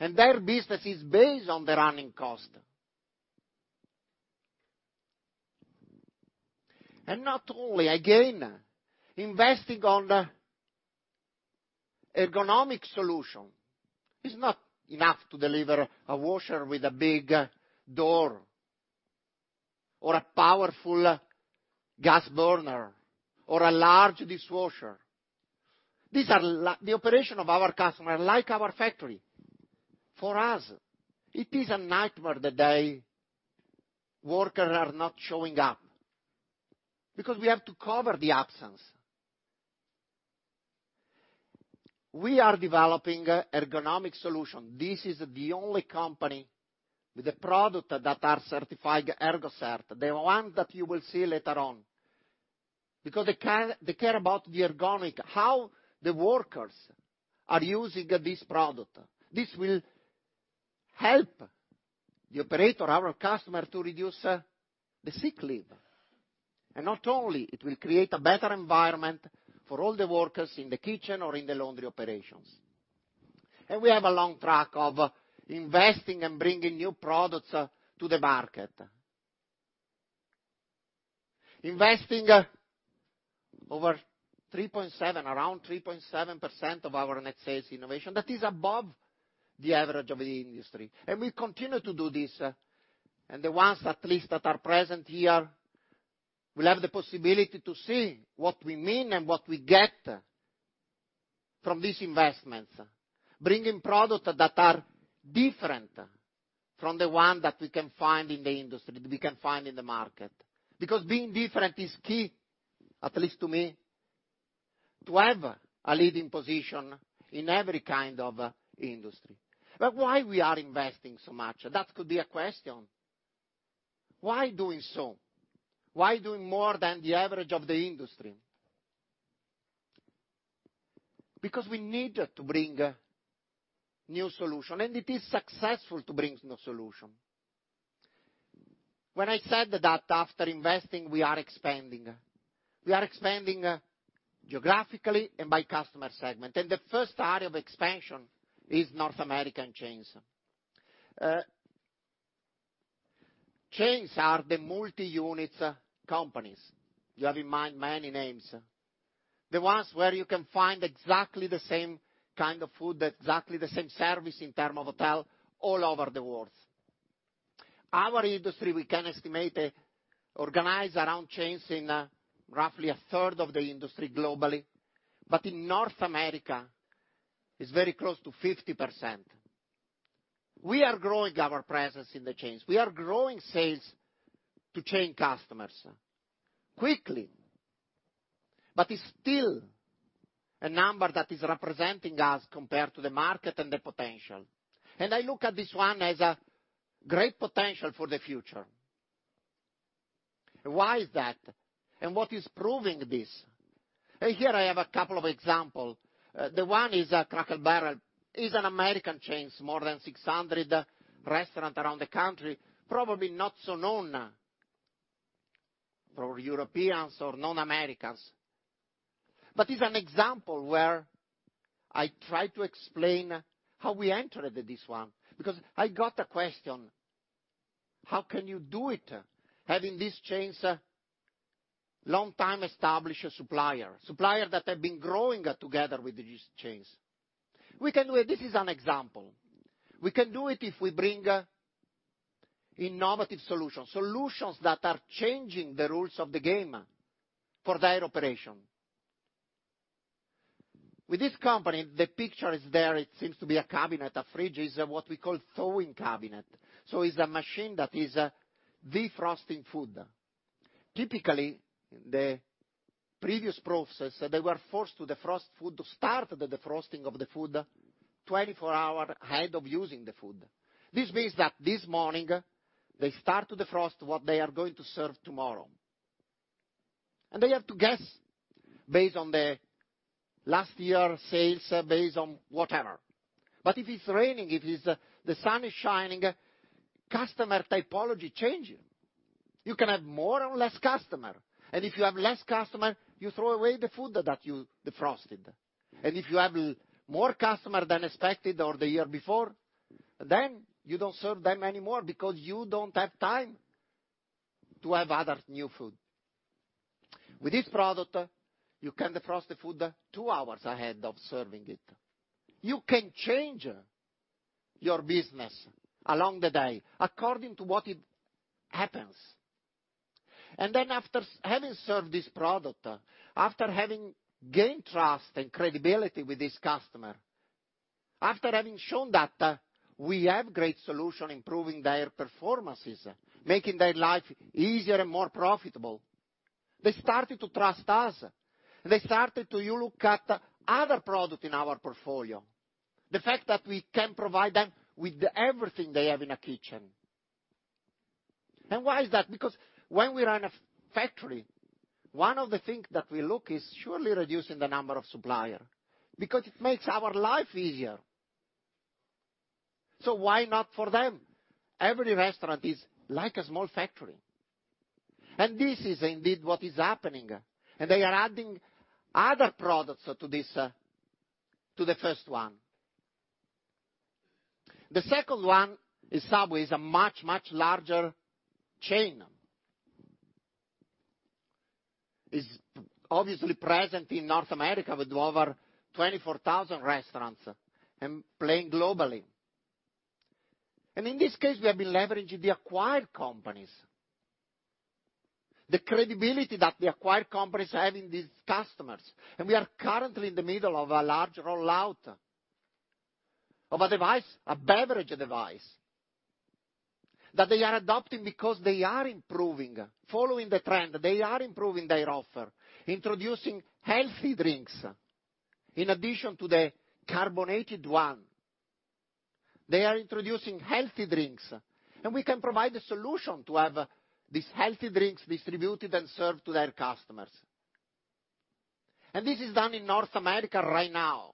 and their business is based on the running cost. Not only, again, investing on ergonomic solutions. It's not enough to deliver a washer with a big door, or a powerful gas burner, or a large dishwasher. The operation of our customer, like our factory, for us, it is a nightmare the day workers are not showing up because we have to cover the absence. We are developing ergonomic solutions. This is the only company with products that are certified ErgoCert, the one that you will see later on. They care about the ergonomic, how the workers are using this product. This will help the operator, our customer, to reduce the sick leave. Not only, it will create a better environment for all the workers in the kitchen or in the laundry operations. We have a long track of investing and bringing new products to the market. Investing over 3.7, around 3.7% of our net sales innovation. That is above the average of the industry. We continue to do this. The ones, at least, that are present here will have the possibility to see what we mean and what we get from these investments, bringing products that are different from the one that we can find in the industry, we can find in the market. Being different is key, at least to me, to have a leading position in every kind of industry. Why we are investing so much? That could be a question. Why doing so? Why doing more than the average of the industry? We need to bring new solutions, and it is successful to bring new solutions. When I said that after investing, we are expanding. We are expanding geographically and by customer segment. The first area of expansion is North American chains. Chains are the multi-unit companies. You have in mind many names. The ones where you can find exactly the same kind of food, exactly the same service in terms of hotel all over the world. Our industry, we can estimate, organized around chains in roughly a third of the industry globally. In North America, it's very close to 50%. We are growing our presence in the chains. We are growing sales to chain customers quickly. It's still a number that is representing us compared to the market and the potential. I look at this one as a great potential for the future. Why is that? What is proving this? Here I have a couple of examples. Cracker Barrel is an American chain, more than 600 restaurants around the country. Probably not so known for Europeans or non-Americans. It's an example where I try to explain how we entered this one, because I got a question: How can you do it having these chains long-time established supplier? Supplier that have been growing together with these chains. This is an example. We can do it if we bring innovative solutions that are changing the rules of the game for their operation. With this company, the picture is there, it seems to be a cabinet, a fridge, is what we call thawing cabinet. Is a machine that is defrosting food. Typically, the previous process, they were forced to defrost food, to start the defrosting of the food 24 hours ahead of using the food. This means that this morning, they start to defrost what they are going to serve tomorrow. They have to guess based on the last year sales, based on whatever. If it's raining, if the sun is shining, customer typology changes. You can have more or less customers. If you have less customers, you throw away the food that you defrosted. If you have more customers than expected or the year before, you don't serve them anymore because you don't have time to have other new food. With this product, you can defrost the food two hours ahead of serving it. You can change your business along the day according to what it happens. After having served this product, after having gained trust and credibility with this customer, after having shown that we have great solutions improving their performances, making their life easier and more profitable, they started to trust us. They started to look at other products in our portfolio. The fact that we can provide them with everything they have in a kitchen. Why is that? Because when we run a factory, one of the things that we look is surely reducing the number of suppliers because it makes our life easier. Why not for them? Every restaurant is like a small factory. This is indeed what is happening. They are adding other products to the first one. The second one is Subway, is a much, much larger chain. Is obviously present in North America with over 24,000 restaurants and playing globally. In this case, we have been leveraging the acquired companies. The credibility that the acquired companies have in these customers, and we are currently in the middle of a large rollout of a device, a beverage device, that they are adopting because they are improving. Following the trend, they are improving their offer, introducing healthy drinks in addition to the carbonated one. They are introducing healthy drinks, and we can provide the solution to have these healthy drinks distributed and served to their customers. This is done in North America right now.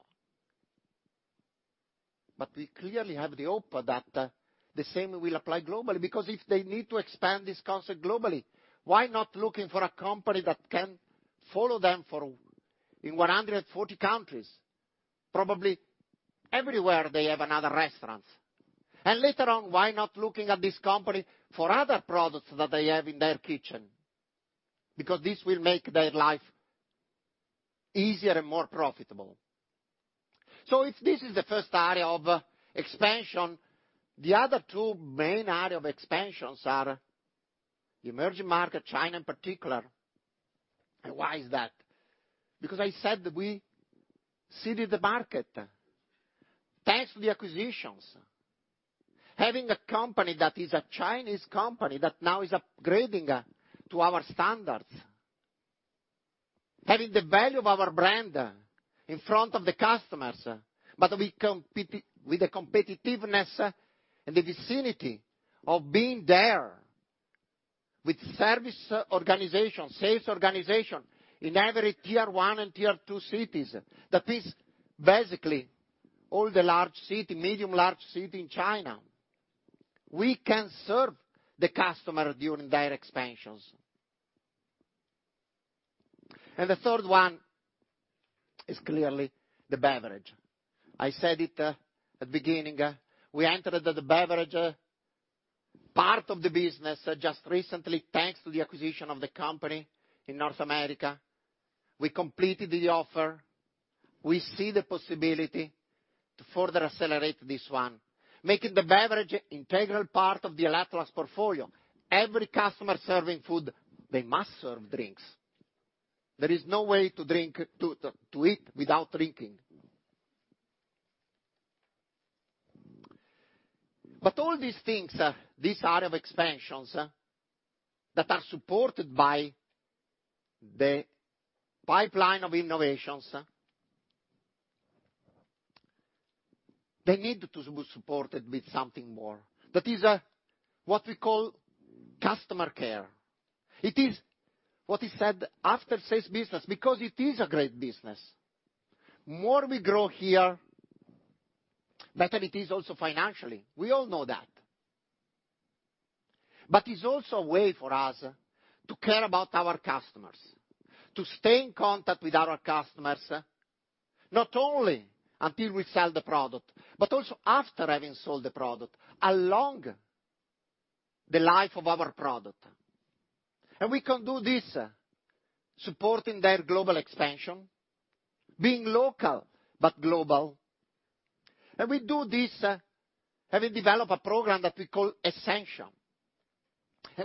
We clearly have the hope that the same will apply globally, because if they need to expand this concept globally, why not looking for a company that can follow them in 140 countries? Probably everywhere they have another restaurant. Later on, why not looking at this company for other products that they have in their kitchen? Because this will make their life easier and more profitable. This is the first area of expansion. The other two main area of expansions are the emerging market, China in particular. Why is that? Because I said that we seeded the market. Thanks to the acquisitions. Having a company that is a Chinese company that now is upgrading to our standards, having the value of our brand in front of the customers, with the competitiveness and the vicinity of being there, with service organization, sales organization, in every tier one and tier two cities. That is basically all the medium, large city in China. We can serve the customer during their expansions. The third one is clearly the beverage. I said it at beginning, we entered the beverage part of the business just recently, thanks to the acquisition of the company in North America. We completed the offer. We see the possibility to further accelerate this one, making the beverage integral part of the Electrolux portfolio. Every customer serving food, they must serve drinks. There is no way to eat without drinking. All these things, these area of expansions that are supported by the pipeline of innovations, they need to be supported with something more. That is what we call customer care. It is what is said after sales business, because it is a great business. More we grow here, better it is also financially. We all know that. It's also a way for us to care about our customers, to stay in contact with our customers, not only until we sell the product, but also after having sold the product, along the life of our product. We can do this supporting their global expansion, being local, but global. We do this, having developed a program that we call Essentia.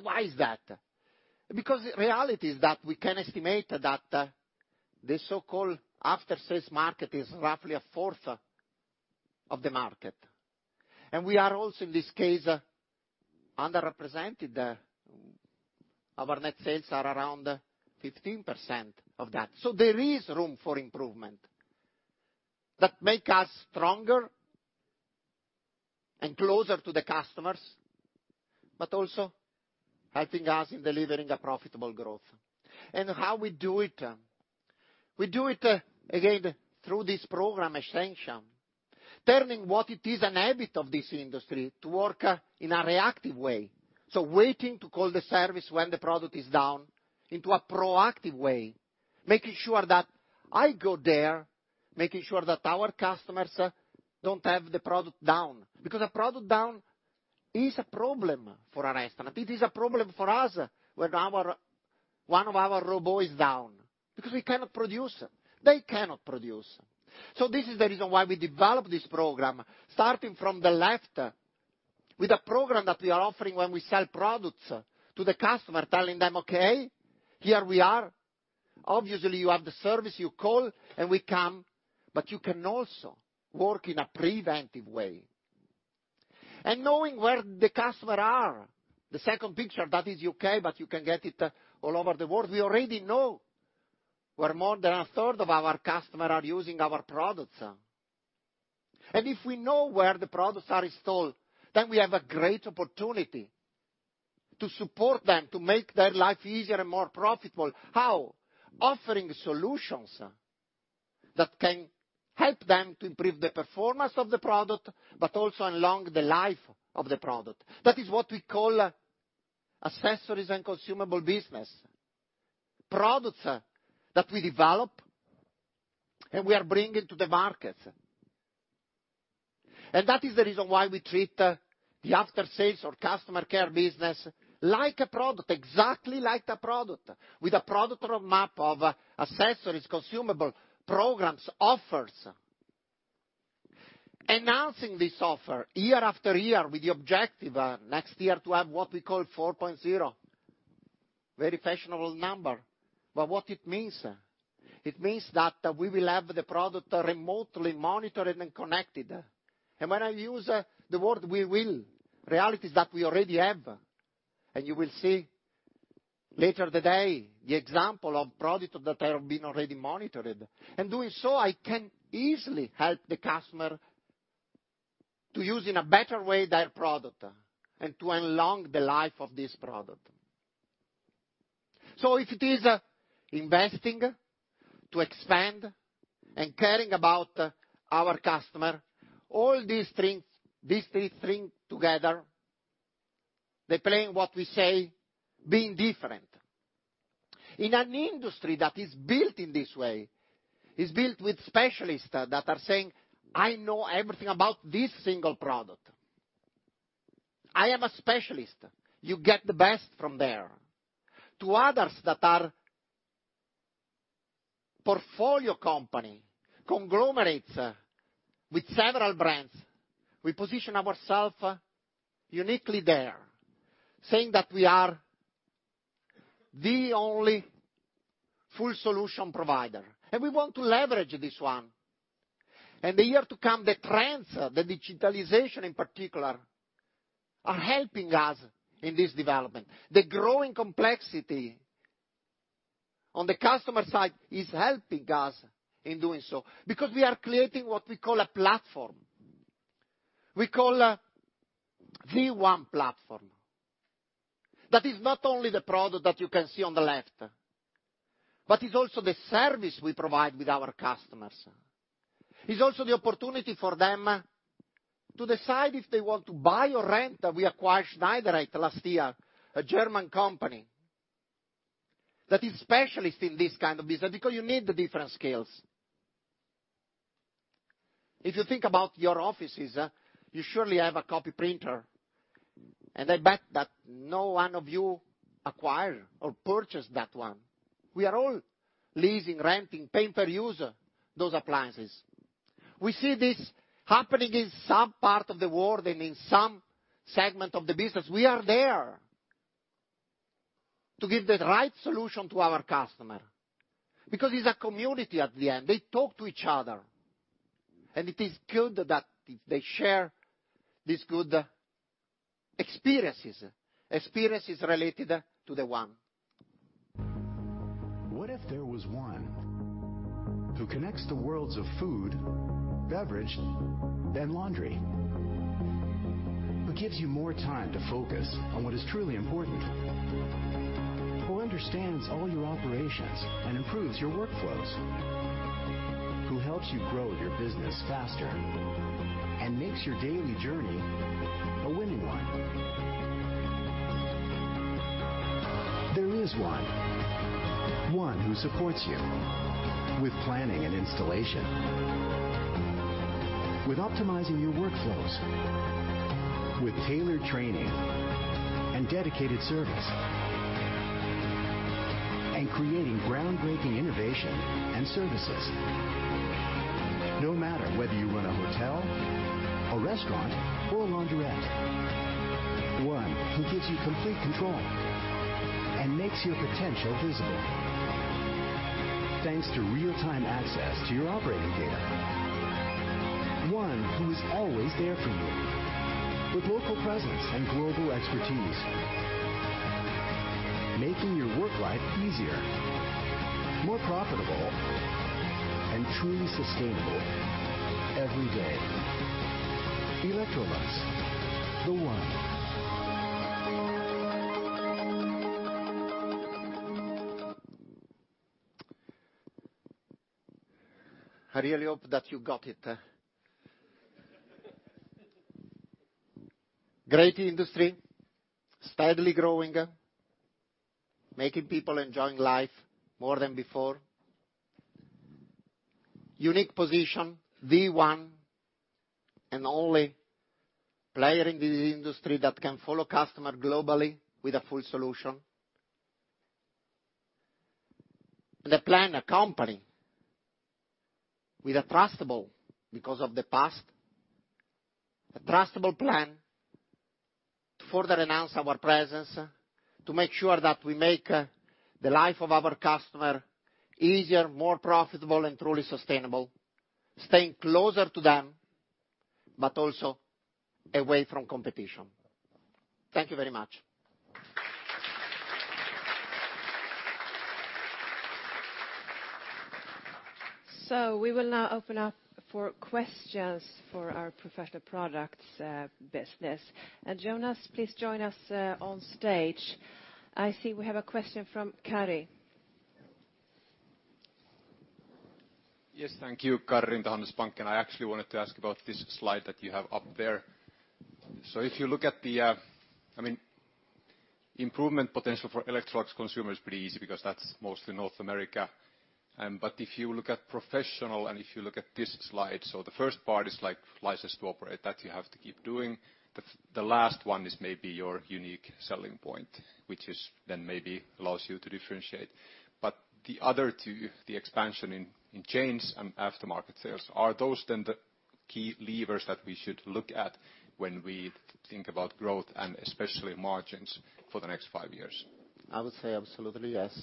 Why is that? Because reality is that we can estimate that the so-called after-sales market is roughly 1/4 of the market. We are also, in this case, underrepresented. Our net sales are around 15% of that. There is room for improvement that make us stronger and closer to the customers, but also helping us in delivering a profitable growth. How we do it? We do it, again, through this program, Essentia, turning what it is an habit of this industry to work in a reactive way. Waiting to call the service when the product is down into a proactive way, making sure that I go there, making sure that our customers don't have the product down, because a product down is a problem for a restaurant. It is a problem for us when one of our robot is down, because we cannot produce. They cannot produce. This is the reason why we developed this program, starting from the left with a program that we are offering when we sell products to the customer, telling them, "Okay, here we are. Obviously, you have the service, you call and we come." You can also work in a preventive way. Knowing where the customer are. The second picture, that is U.K., but you can get it all over the world. We already know where more than 1/3 of our customer are using our products. If we know where the products are installed, then we have a great opportunity to support them, to make their life easier and more profitable. How? Offering solutions that can help them to improve the performance of the product, but also along the life of the product. That is what we call accessories and consumable business. Products that we develop and we are bringing to the market. That is the reason why we treat the after-sales or customer care business like a product, exactly like a product. With a product roadmap of accessories, consumable programs, offers. Announcing this offer year after year with the objective, next year, to have what we call 4.0, very fashionable number. What it means? It means that we will have the product remotely monitored and connected. When I use the word, we will, reality is that we already have, and you will see later today the example of product that are being already monitored. Doing so, I can easily help the customer to use in a better way their product and to elong the life of this product. If it is investing to expand and caring about our customer, all these three things together, they play in what we say, being different. In an industry that is built in this way, is built with specialists that are saying, "I know everything about this single product. I am a specialist. You get the best from there." To others, Portfolio company conglomerates with several brands. We position ourselves uniquely there, saying that we are the only full solution provider, and we want to leverage this one. The year to come, the trends, the digitalization in particular, are helping us in this development. The growing complexity on the customer side is helping us in doing so, because we are creating what we call a platform. We call The OnE Platform. That is not only the product that you can see on the left, but it's also the service we provide with our customers. It's also the opportunity for them to decide if they want to buy or rent. We acquired Schneidereit last year, a German company, that is specialist in this kind of business, because you need the different skills. If you think about your offices, you surely have a copy printer, and I bet that no one of you acquired or purchased that one. We are all leasing, renting, paying per user, those appliances. We see this happening in some part of the world and in some segment of the business. We are there to give the right solution to our customer, because it's a community at the end. They talk to each other, and it is good that they share these good experiences related to The OnE. What if there was one who connects the worlds of food, beverage, and laundry? Who gives you more time to focus on what is truly important. Who understands all your operations and improves your workflows. Who helps you grow your business faster and makes your daily journey a winning one. There is one. One who supports you with planning and installation, with optimizing your workflows, with tailored training, and dedicated service, and creating groundbreaking innovation and services, no matter whether you run a hotel, a restaurant, or a launderette. One who gives you complete control and makes your potential visible, thanks to real-time access to your operating data. One who is always there for you, with local presence and global expertise, making your work life easier, more profitable, and truly sustainable every day. Electrolux, the one. I really hope that you got it. Great industry. Steadily growing. Making people enjoying life more than before. Unique position, the one and only player in this industry that can follow customer globally with a full solution. The plan accompany with a trustable because of the past. A trustable plan to further enhance our presence, to make sure that we make the life of our customer easier, more profitable, and truly sustainable, staying closer to them, but also away from competition. Thank you very much. We will now open up for questions for our Professional Products business. Jonas, please join us on stage. I see we have a question from Karri. Yes. Thank you, Karri in the Handelsbanken. I actually wanted to ask about this slide that you have up there. If you look at the, improvement potential for Electrolux Consumer is pretty easy because that's mostly North America. If you look at Professional and if you look at this slide, the first part is license to operate, that you have to keep doing. The last one is maybe your unique selling point, which is then maybe allows you to differentiate. The other two, the expansion in chains and aftermarket sales, are those then the key levers that we should look at when we think about growth and especially margins for the next five years? I would say absolutely yes.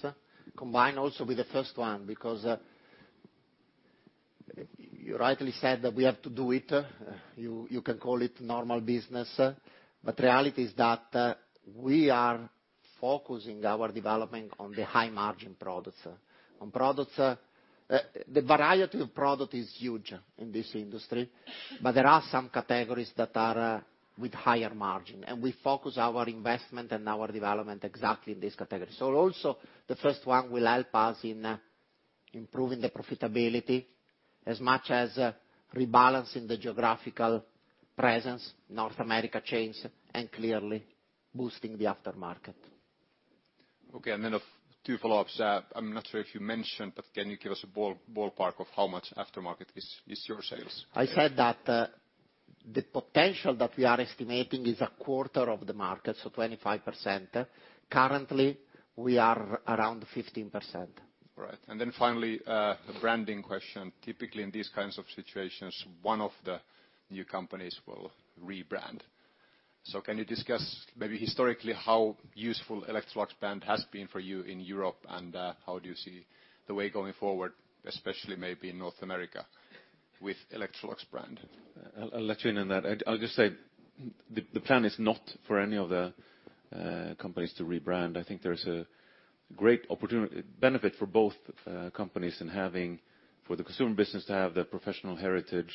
Combined also with the first one, because you rightly said that we have to do it. You can call it normal business, but reality is that we are focusing our development on the high margin products. The variety of product is huge in this industry, but there are some categories that are with higher margin, and we focus our investment and our development exactly in this category. Also the first one will help us in improving the profitability as much as rebalancing the geographical presence, North America chains, and clearly boosting the aftermarket. Two follow-ups. I'm not sure if you mentioned, but can you give us a ballpark of how much aftermarket is your sales? I said that. The potential that we are estimating is a quarter of the market, so 25%. Currently, we are around 15%. Finally, a branding question. Typically, in these kinds of situations, one of the new companies will rebrand. Can you discuss historically how useful Electrolux brand has been for you in Europe, and how do you see the way going forward, especially maybe in North America, with Electrolux brand? I'll let you in on that. I'll just say, the plan is not for any of the companies to rebrand. I think there's a great benefit for both companies, for the consumer business to have the professional heritage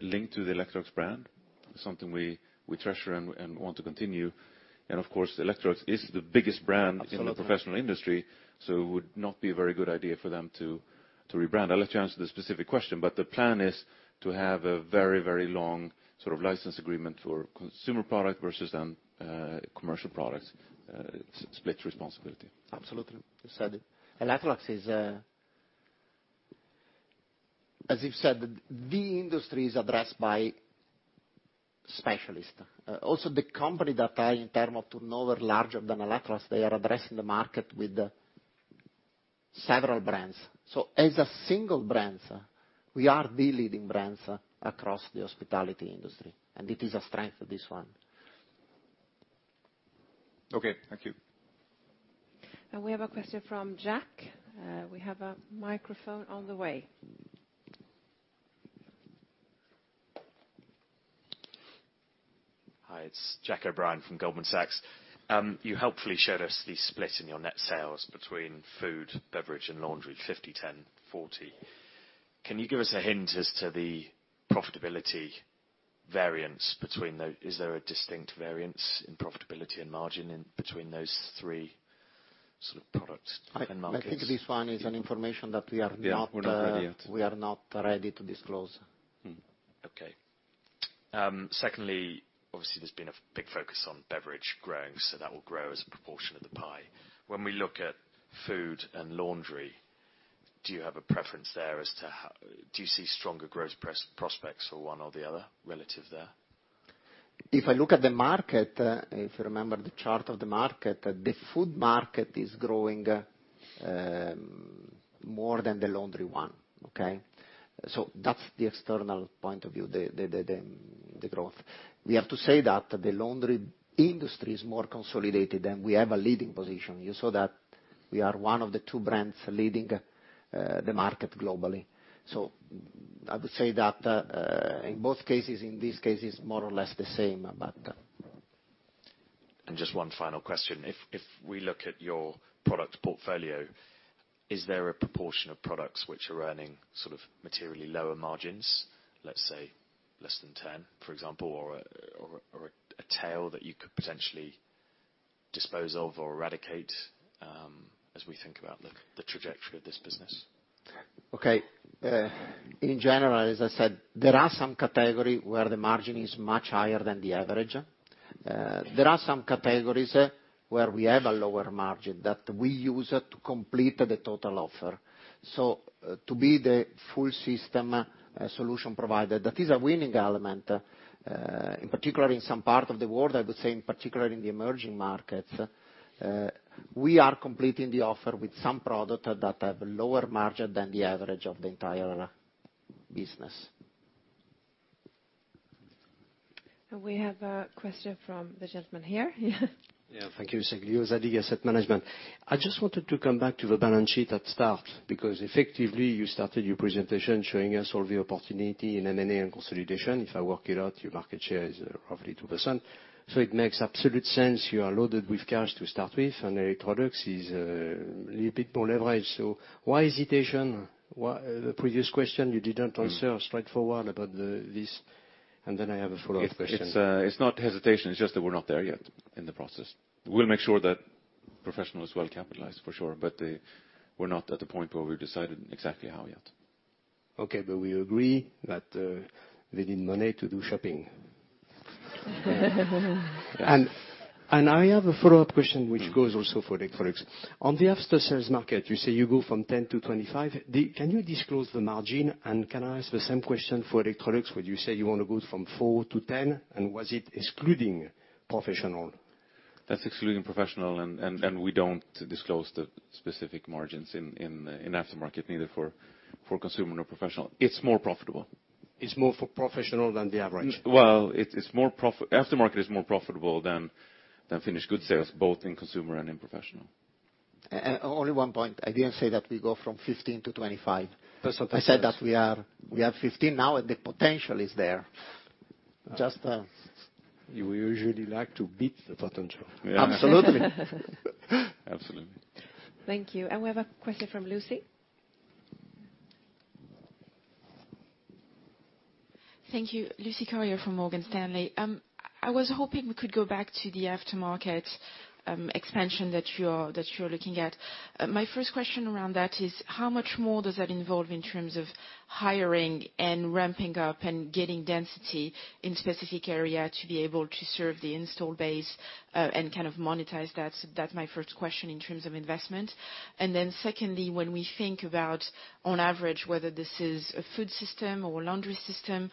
linked to the Electrolux brand. Something we treasure and want to continue. Of course, Electrolux is the biggest brand- Absolutely in the professional industry, it would not be a very good idea for them to rebrand. I'll let you answer the specific question, the plan is to have a very long sort of license agreement for consumer product versus end commercial products, split responsibility. Absolutely. As you've said, Electrolux is, the industry is addressed by specialist. The company that I, in term of turnover larger than Electrolux, they are addressing the market with several brands. As a single brand, we are the leading brands across the hospitality industry, and it is a strength of this one. Okay. Thank you. We have a question from Jack. We have a microphone on the way. Hi. It's Jack O'Brien from Goldman Sachs. You helpfully showed us the split in your net sales between food, beverage, and laundry, 50, 10, 40. Can you give us a hint as to the profitability variance between those? Is there a distinct variance in profitability and margin in between those three sort of products, end markets? I think this one is an information that we are not- Yeah, we're not ready yet we are not ready to disclose. Okay. Secondly, obviously, there has been a big focus on beverage growing, so that will grow as a proportion of the pie. When we look at food and laundry, do you have a preference there? Do you see stronger growth prospects for one or the other relative there? If I look at the market, if you remember the chart of the market, the food market is growing more than the laundry one, okay? That's the external point of view, the growth. We have to say that the laundry industry is more consolidated, and we have a leading position. You saw that we are one of the two brands leading the market globally. I would say that in both cases, in these cases, more or less the same. Just one final question. If we look at your product portfolio, is there a proportion of products which are earning sort of materially lower margins, let's say less than 10%, for example, or a tail that you could potentially dispose of or eradicate, as we think about the trajectory of this business? In general, as I said, there are some category where the margin is much higher than the average. There are some categories where we have a lower margin that we use to complete the total offer. To be the full system solution provider, that is a winning element. In particular, in some part of the world, I would say in particular in the emerging markets, we are completing the offer with some product that have lower margin than the average of the entire business. We have a question from the gentleman here. Yeah. Thank you. Ziad, Asset Management. I just wanted to come back to the balance sheet at start, because effectively, you started your presentation showing us all the opportunity in M&A and consolidation. If I work it out, your market share is roughly 2%. It makes absolute sense you are loaded with cash to start with, and Electrolux is a little bit more leverage. Why hesitation? The previous question, you didn't answer straightforward about this. I have a follow-up question. It's not hesitation, it's just that we're not there yet in the process. We'll make sure that Professional is well-capitalized, for sure, but we're not at the point where we've decided exactly how yet. We agree that they need money to do shopping. I have a follow-up question, which goes also for Electrolux. On the after sales market, you say you go from 10 to 25. Can you disclose the margin? Can I ask the same question for Electrolux, where you say you want to go from 4%-10%, and was it excluding Professional? That's excluding Professional, we don't disclose the specific margins in aftermarket, neither for Consumer nor Professional. It's more profitable. It's more for Professional than the average? Well, aftermarket is more profitable than finished good sales, both in Consumer and in Professional. Only one point. I didn't say that we go from 15 to 25. That's what I said. I said that we are 15 now, and the potential is there. You usually like to beat the potential. Absolutely. Absolutely. Thank you. We have a question from Lucy. Thank you. Lucie Carrier from Morgan Stanley. I was hoping we could go back to the aftermarket expansion that you're looking at. My first question around that is, how much more does that involve in terms of hiring and ramping up and getting density in specific area to be able to serve the install base, and kind of monetize that? That's my first question in terms of investment. Secondly, when we think about, on average, whether this is a food system or a laundry system,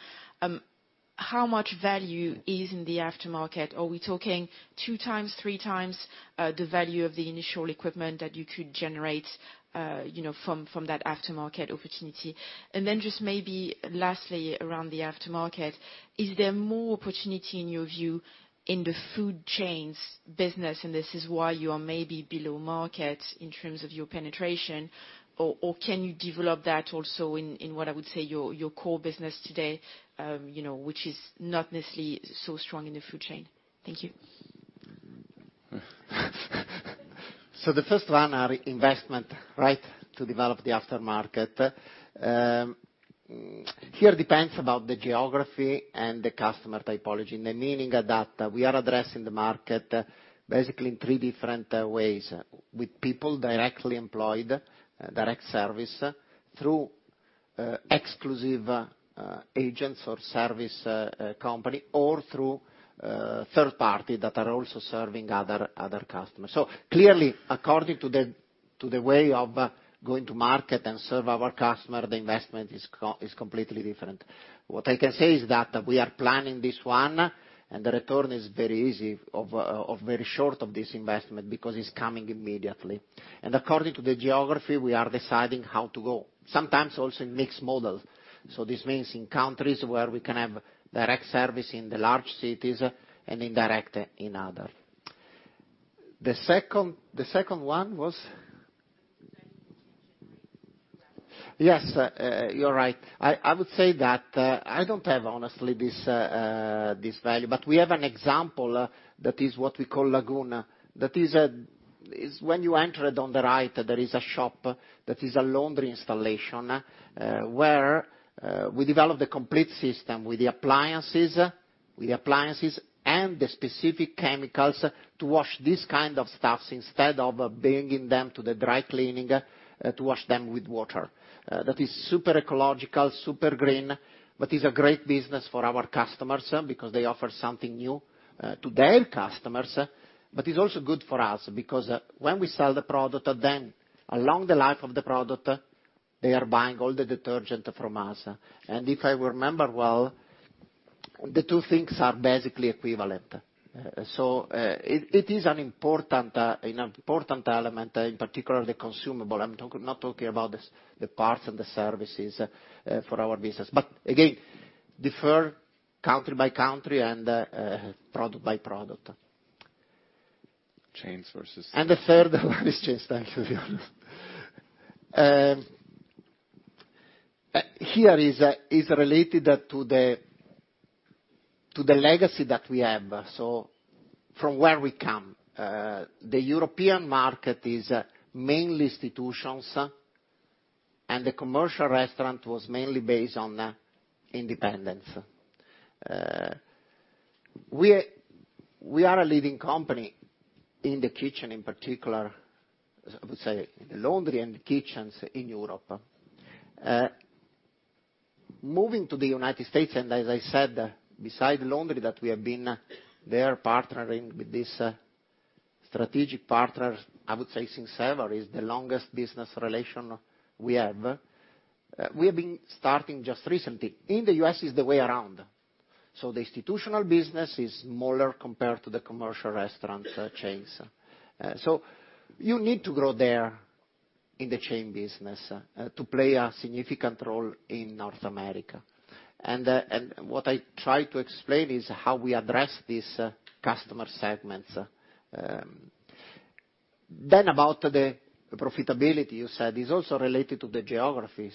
how much value is in the aftermarket? Are we talking 2x, 3x the value of the initial equipment that you could generate from that aftermarket opportunity? Just maybe lastly, around the aftermarket, is there more opportunity, in your view, in the food chains business, and this is why you are maybe below market in terms of your penetration? Can you develop that also in what I would say your core business today, which is not necessarily so strong in the food chain? Thank you. The first one, our investment to develop the aftermarket. Here, depends about the geography and the customer typology. Meaning that we are addressing the market basically in three different ways. With people directly employed, direct service, through exclusive agents or service company, or through third party that are also serving other customers. Clearly, according to the way of going to market and serve our customer, the investment is completely different. What I can say is that we are planning this one, and the return is very easy, of very short of this investment, because it's coming immediately. According to the geography, we are deciding how to go. Sometimes also in mixed models. This means in countries where we can have direct service in the large cities and indirect in other. The second one was? Yes, you're right. I would say that I don't have, honestly, this value, but we have an example that is what we call lagoon. That is when you enter it on the right, there is a shop that is a laundry installation, where we develop the complete system with the appliances and the specific chemicals to wash this kind of stuffs, instead of bringing them to the dry cleaning, to wash them with water. That is super ecological, super green, but is a great business for our customers because they offer something new to their customers. It's also good for us, because when we sell the product, then along the life of the product, they are buying all the detergent from us. If I remember well, the two things are basically equivalent. It is an important element, in particular the consumable. I'm not talking about the parts and the services for our business. Again, differ country by country and product by product. Chains versus- The third one is chains. Thank you. Here is related to the legacy that we have. From where we come. The European market is mainly institutions, and the commercial restaurant was mainly based on independence. We are a leading company in the kitchen in particular, I would say in the laundry and kitchens in Europe. Moving to the U.S., and as I said, beside laundry that we have been there partnering with this strategic partner, I would say Syncron is the longest business relation we have. We have been starting just recently. In the U.S., it's the way around. The institutional business is smaller compared to the commercial restaurant chains. You need to grow there in the chain business to play a significant role in North America. What I try to explain is how we address these customer segments. About the profitability you said is also related to the geography.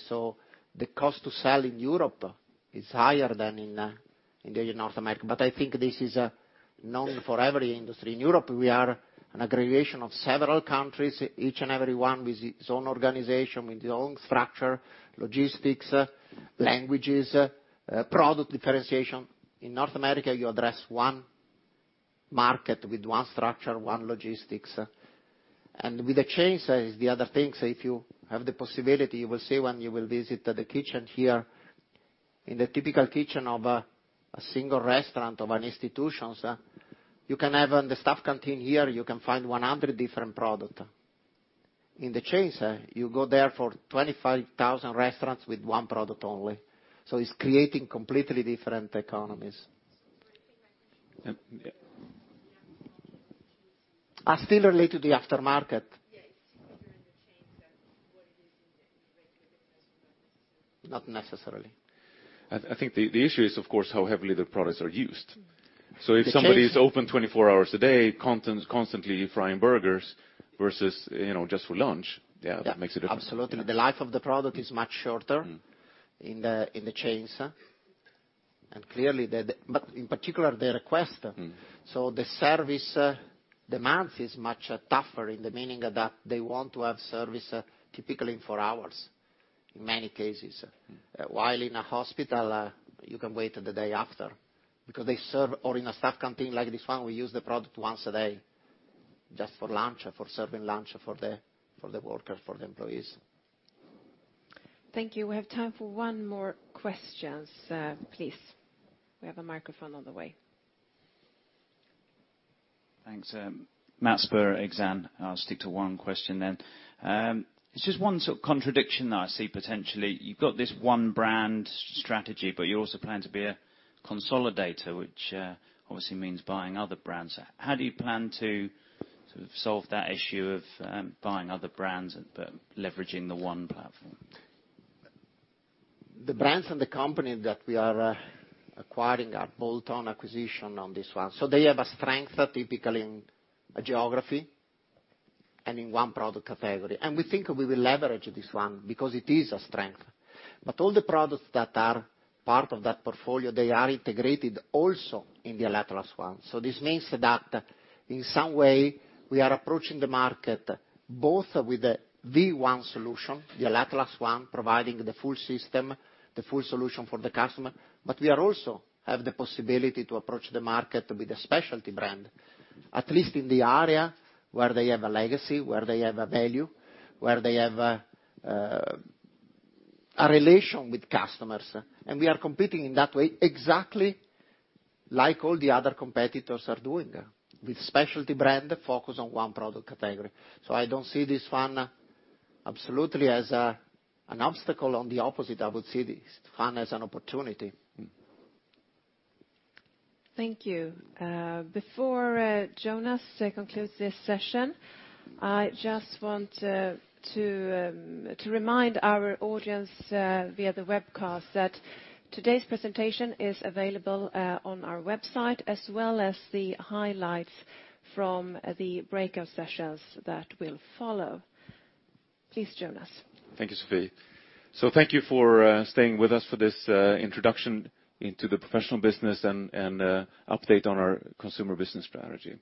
The cost to sell in Europe is higher than in North America. I think this is known for every industry in Europe. We are an aggregation of several countries, each and every one with its own organization, with its own structure, logistics, languages, product differentiation. In North America, you address one market with one structure, one logistics. With the chains, the other things, if you have the possibility, you will see when you will visit the kitchen here, in the typical kitchen of a single restaurant of an institutions, you can have on the staff canteen here, you can find 100 different product. In the chains, you go there for 25,000 restaurants with one product only. It's creating completely different economies. Still related to the aftermarket. If you're in the chains, what it is in the regular business? Not necessarily. I think the issue is of course how heavily the products are used. If somebody- The chains. is open 24 hours a day, constantly frying burgers versus just for lunch, that makes a difference. Absolutely. The life of the product is much shorter in the chains. Clearly, but in particular, the request. The service demand is much tougher, in the meaning that they want to have service typically in four hours, in many cases. In a hospital, you can wait till the day after because they serve, or in a staff canteen like this one, we use the product once a day just for lunch or for serving lunch for the workers, for the employees. Thank you. We have time for one more questions. Please. We have a microphone on the way. Thanks. Matt Spurr, Exane. I'll stick to one question. There's just one sort of contradiction that I see, potentially. You've got this one brand strategy, you also plan to be a consolidator, which obviously means buying other brands. How do you plan to sort of solve that issue of buying other brands, but leveraging the one platform? The brands and the company that we are acquiring are bolt-on acquisition on this one. They have a strength, typically in a geography and in one product category. We think we will leverage this one because it is a strength. All the products that are part of that portfolio, they are integrated also in the Electrolux one. This means that in some way, we are approaching the market both with the V1 solution, the Electrolux one, providing the full system, the full solution for the customer, but we also have the possibility to approach the market with a specialty brand, at least in the area where they have a legacy, where they have a value, where they have a relation with customers. We are competing in that way, exactly like all the other competitors are doing, with specialty brand focus on one product category. I don't see this one absolutely as an obstacle. On the opposite, I would see this one as an opportunity. Thank you. Before Jonas concludes this session, I just want to remind our audience via the webcast that today's presentation is available on our website as well as the highlights from the breakout sessions that will follow. Please, Jonas. Thank you, Sophie. Thank you for staying with us for this introduction into the professional business and update on our consumer business strategy.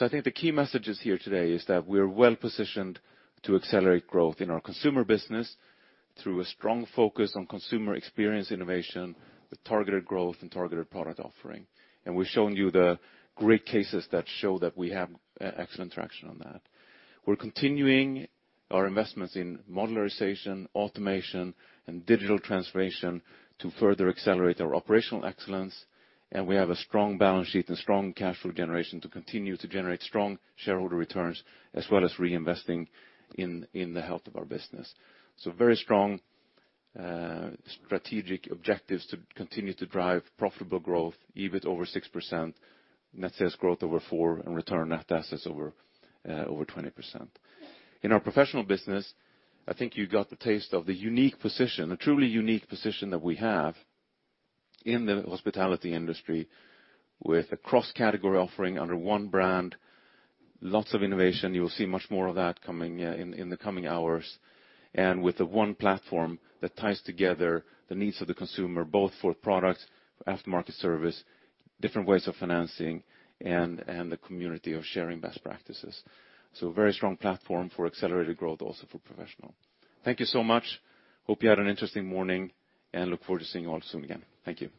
I think the key messages here today is that we're well-positioned to accelerate growth in our consumer business through a strong focus on consumer experience innovation with targeted growth and targeted product offering. We've shown you the great cases that show that we have excellent traction on that. We're continuing our investments in modularization, automation, and digital transformation to further accelerate our operational excellence, and we have a strong balance sheet and strong cash flow generation to continue to generate strong shareholder returns, as well as reinvesting in the health of our business. Very strong strategic objectives to continue to drive profitable growth, EBIT over 6%, net sales growth over 4%, and return on assets over 20%. In our professional business, I think you got the taste of the unique position, a truly unique position that we have in the hospitality industry with a cross-category offering under one brand, lots of innovation. You will see much more of that in the coming hours. With The OnE Platform that ties together the needs of the consumer, both for products, after-market service, different ways of financing, and the community of sharing best practices. A very strong platform for accelerated growth, also for professional. Thank you so much. Hope you had an interesting morning, and look forward to seeing you all soon again. Thank you.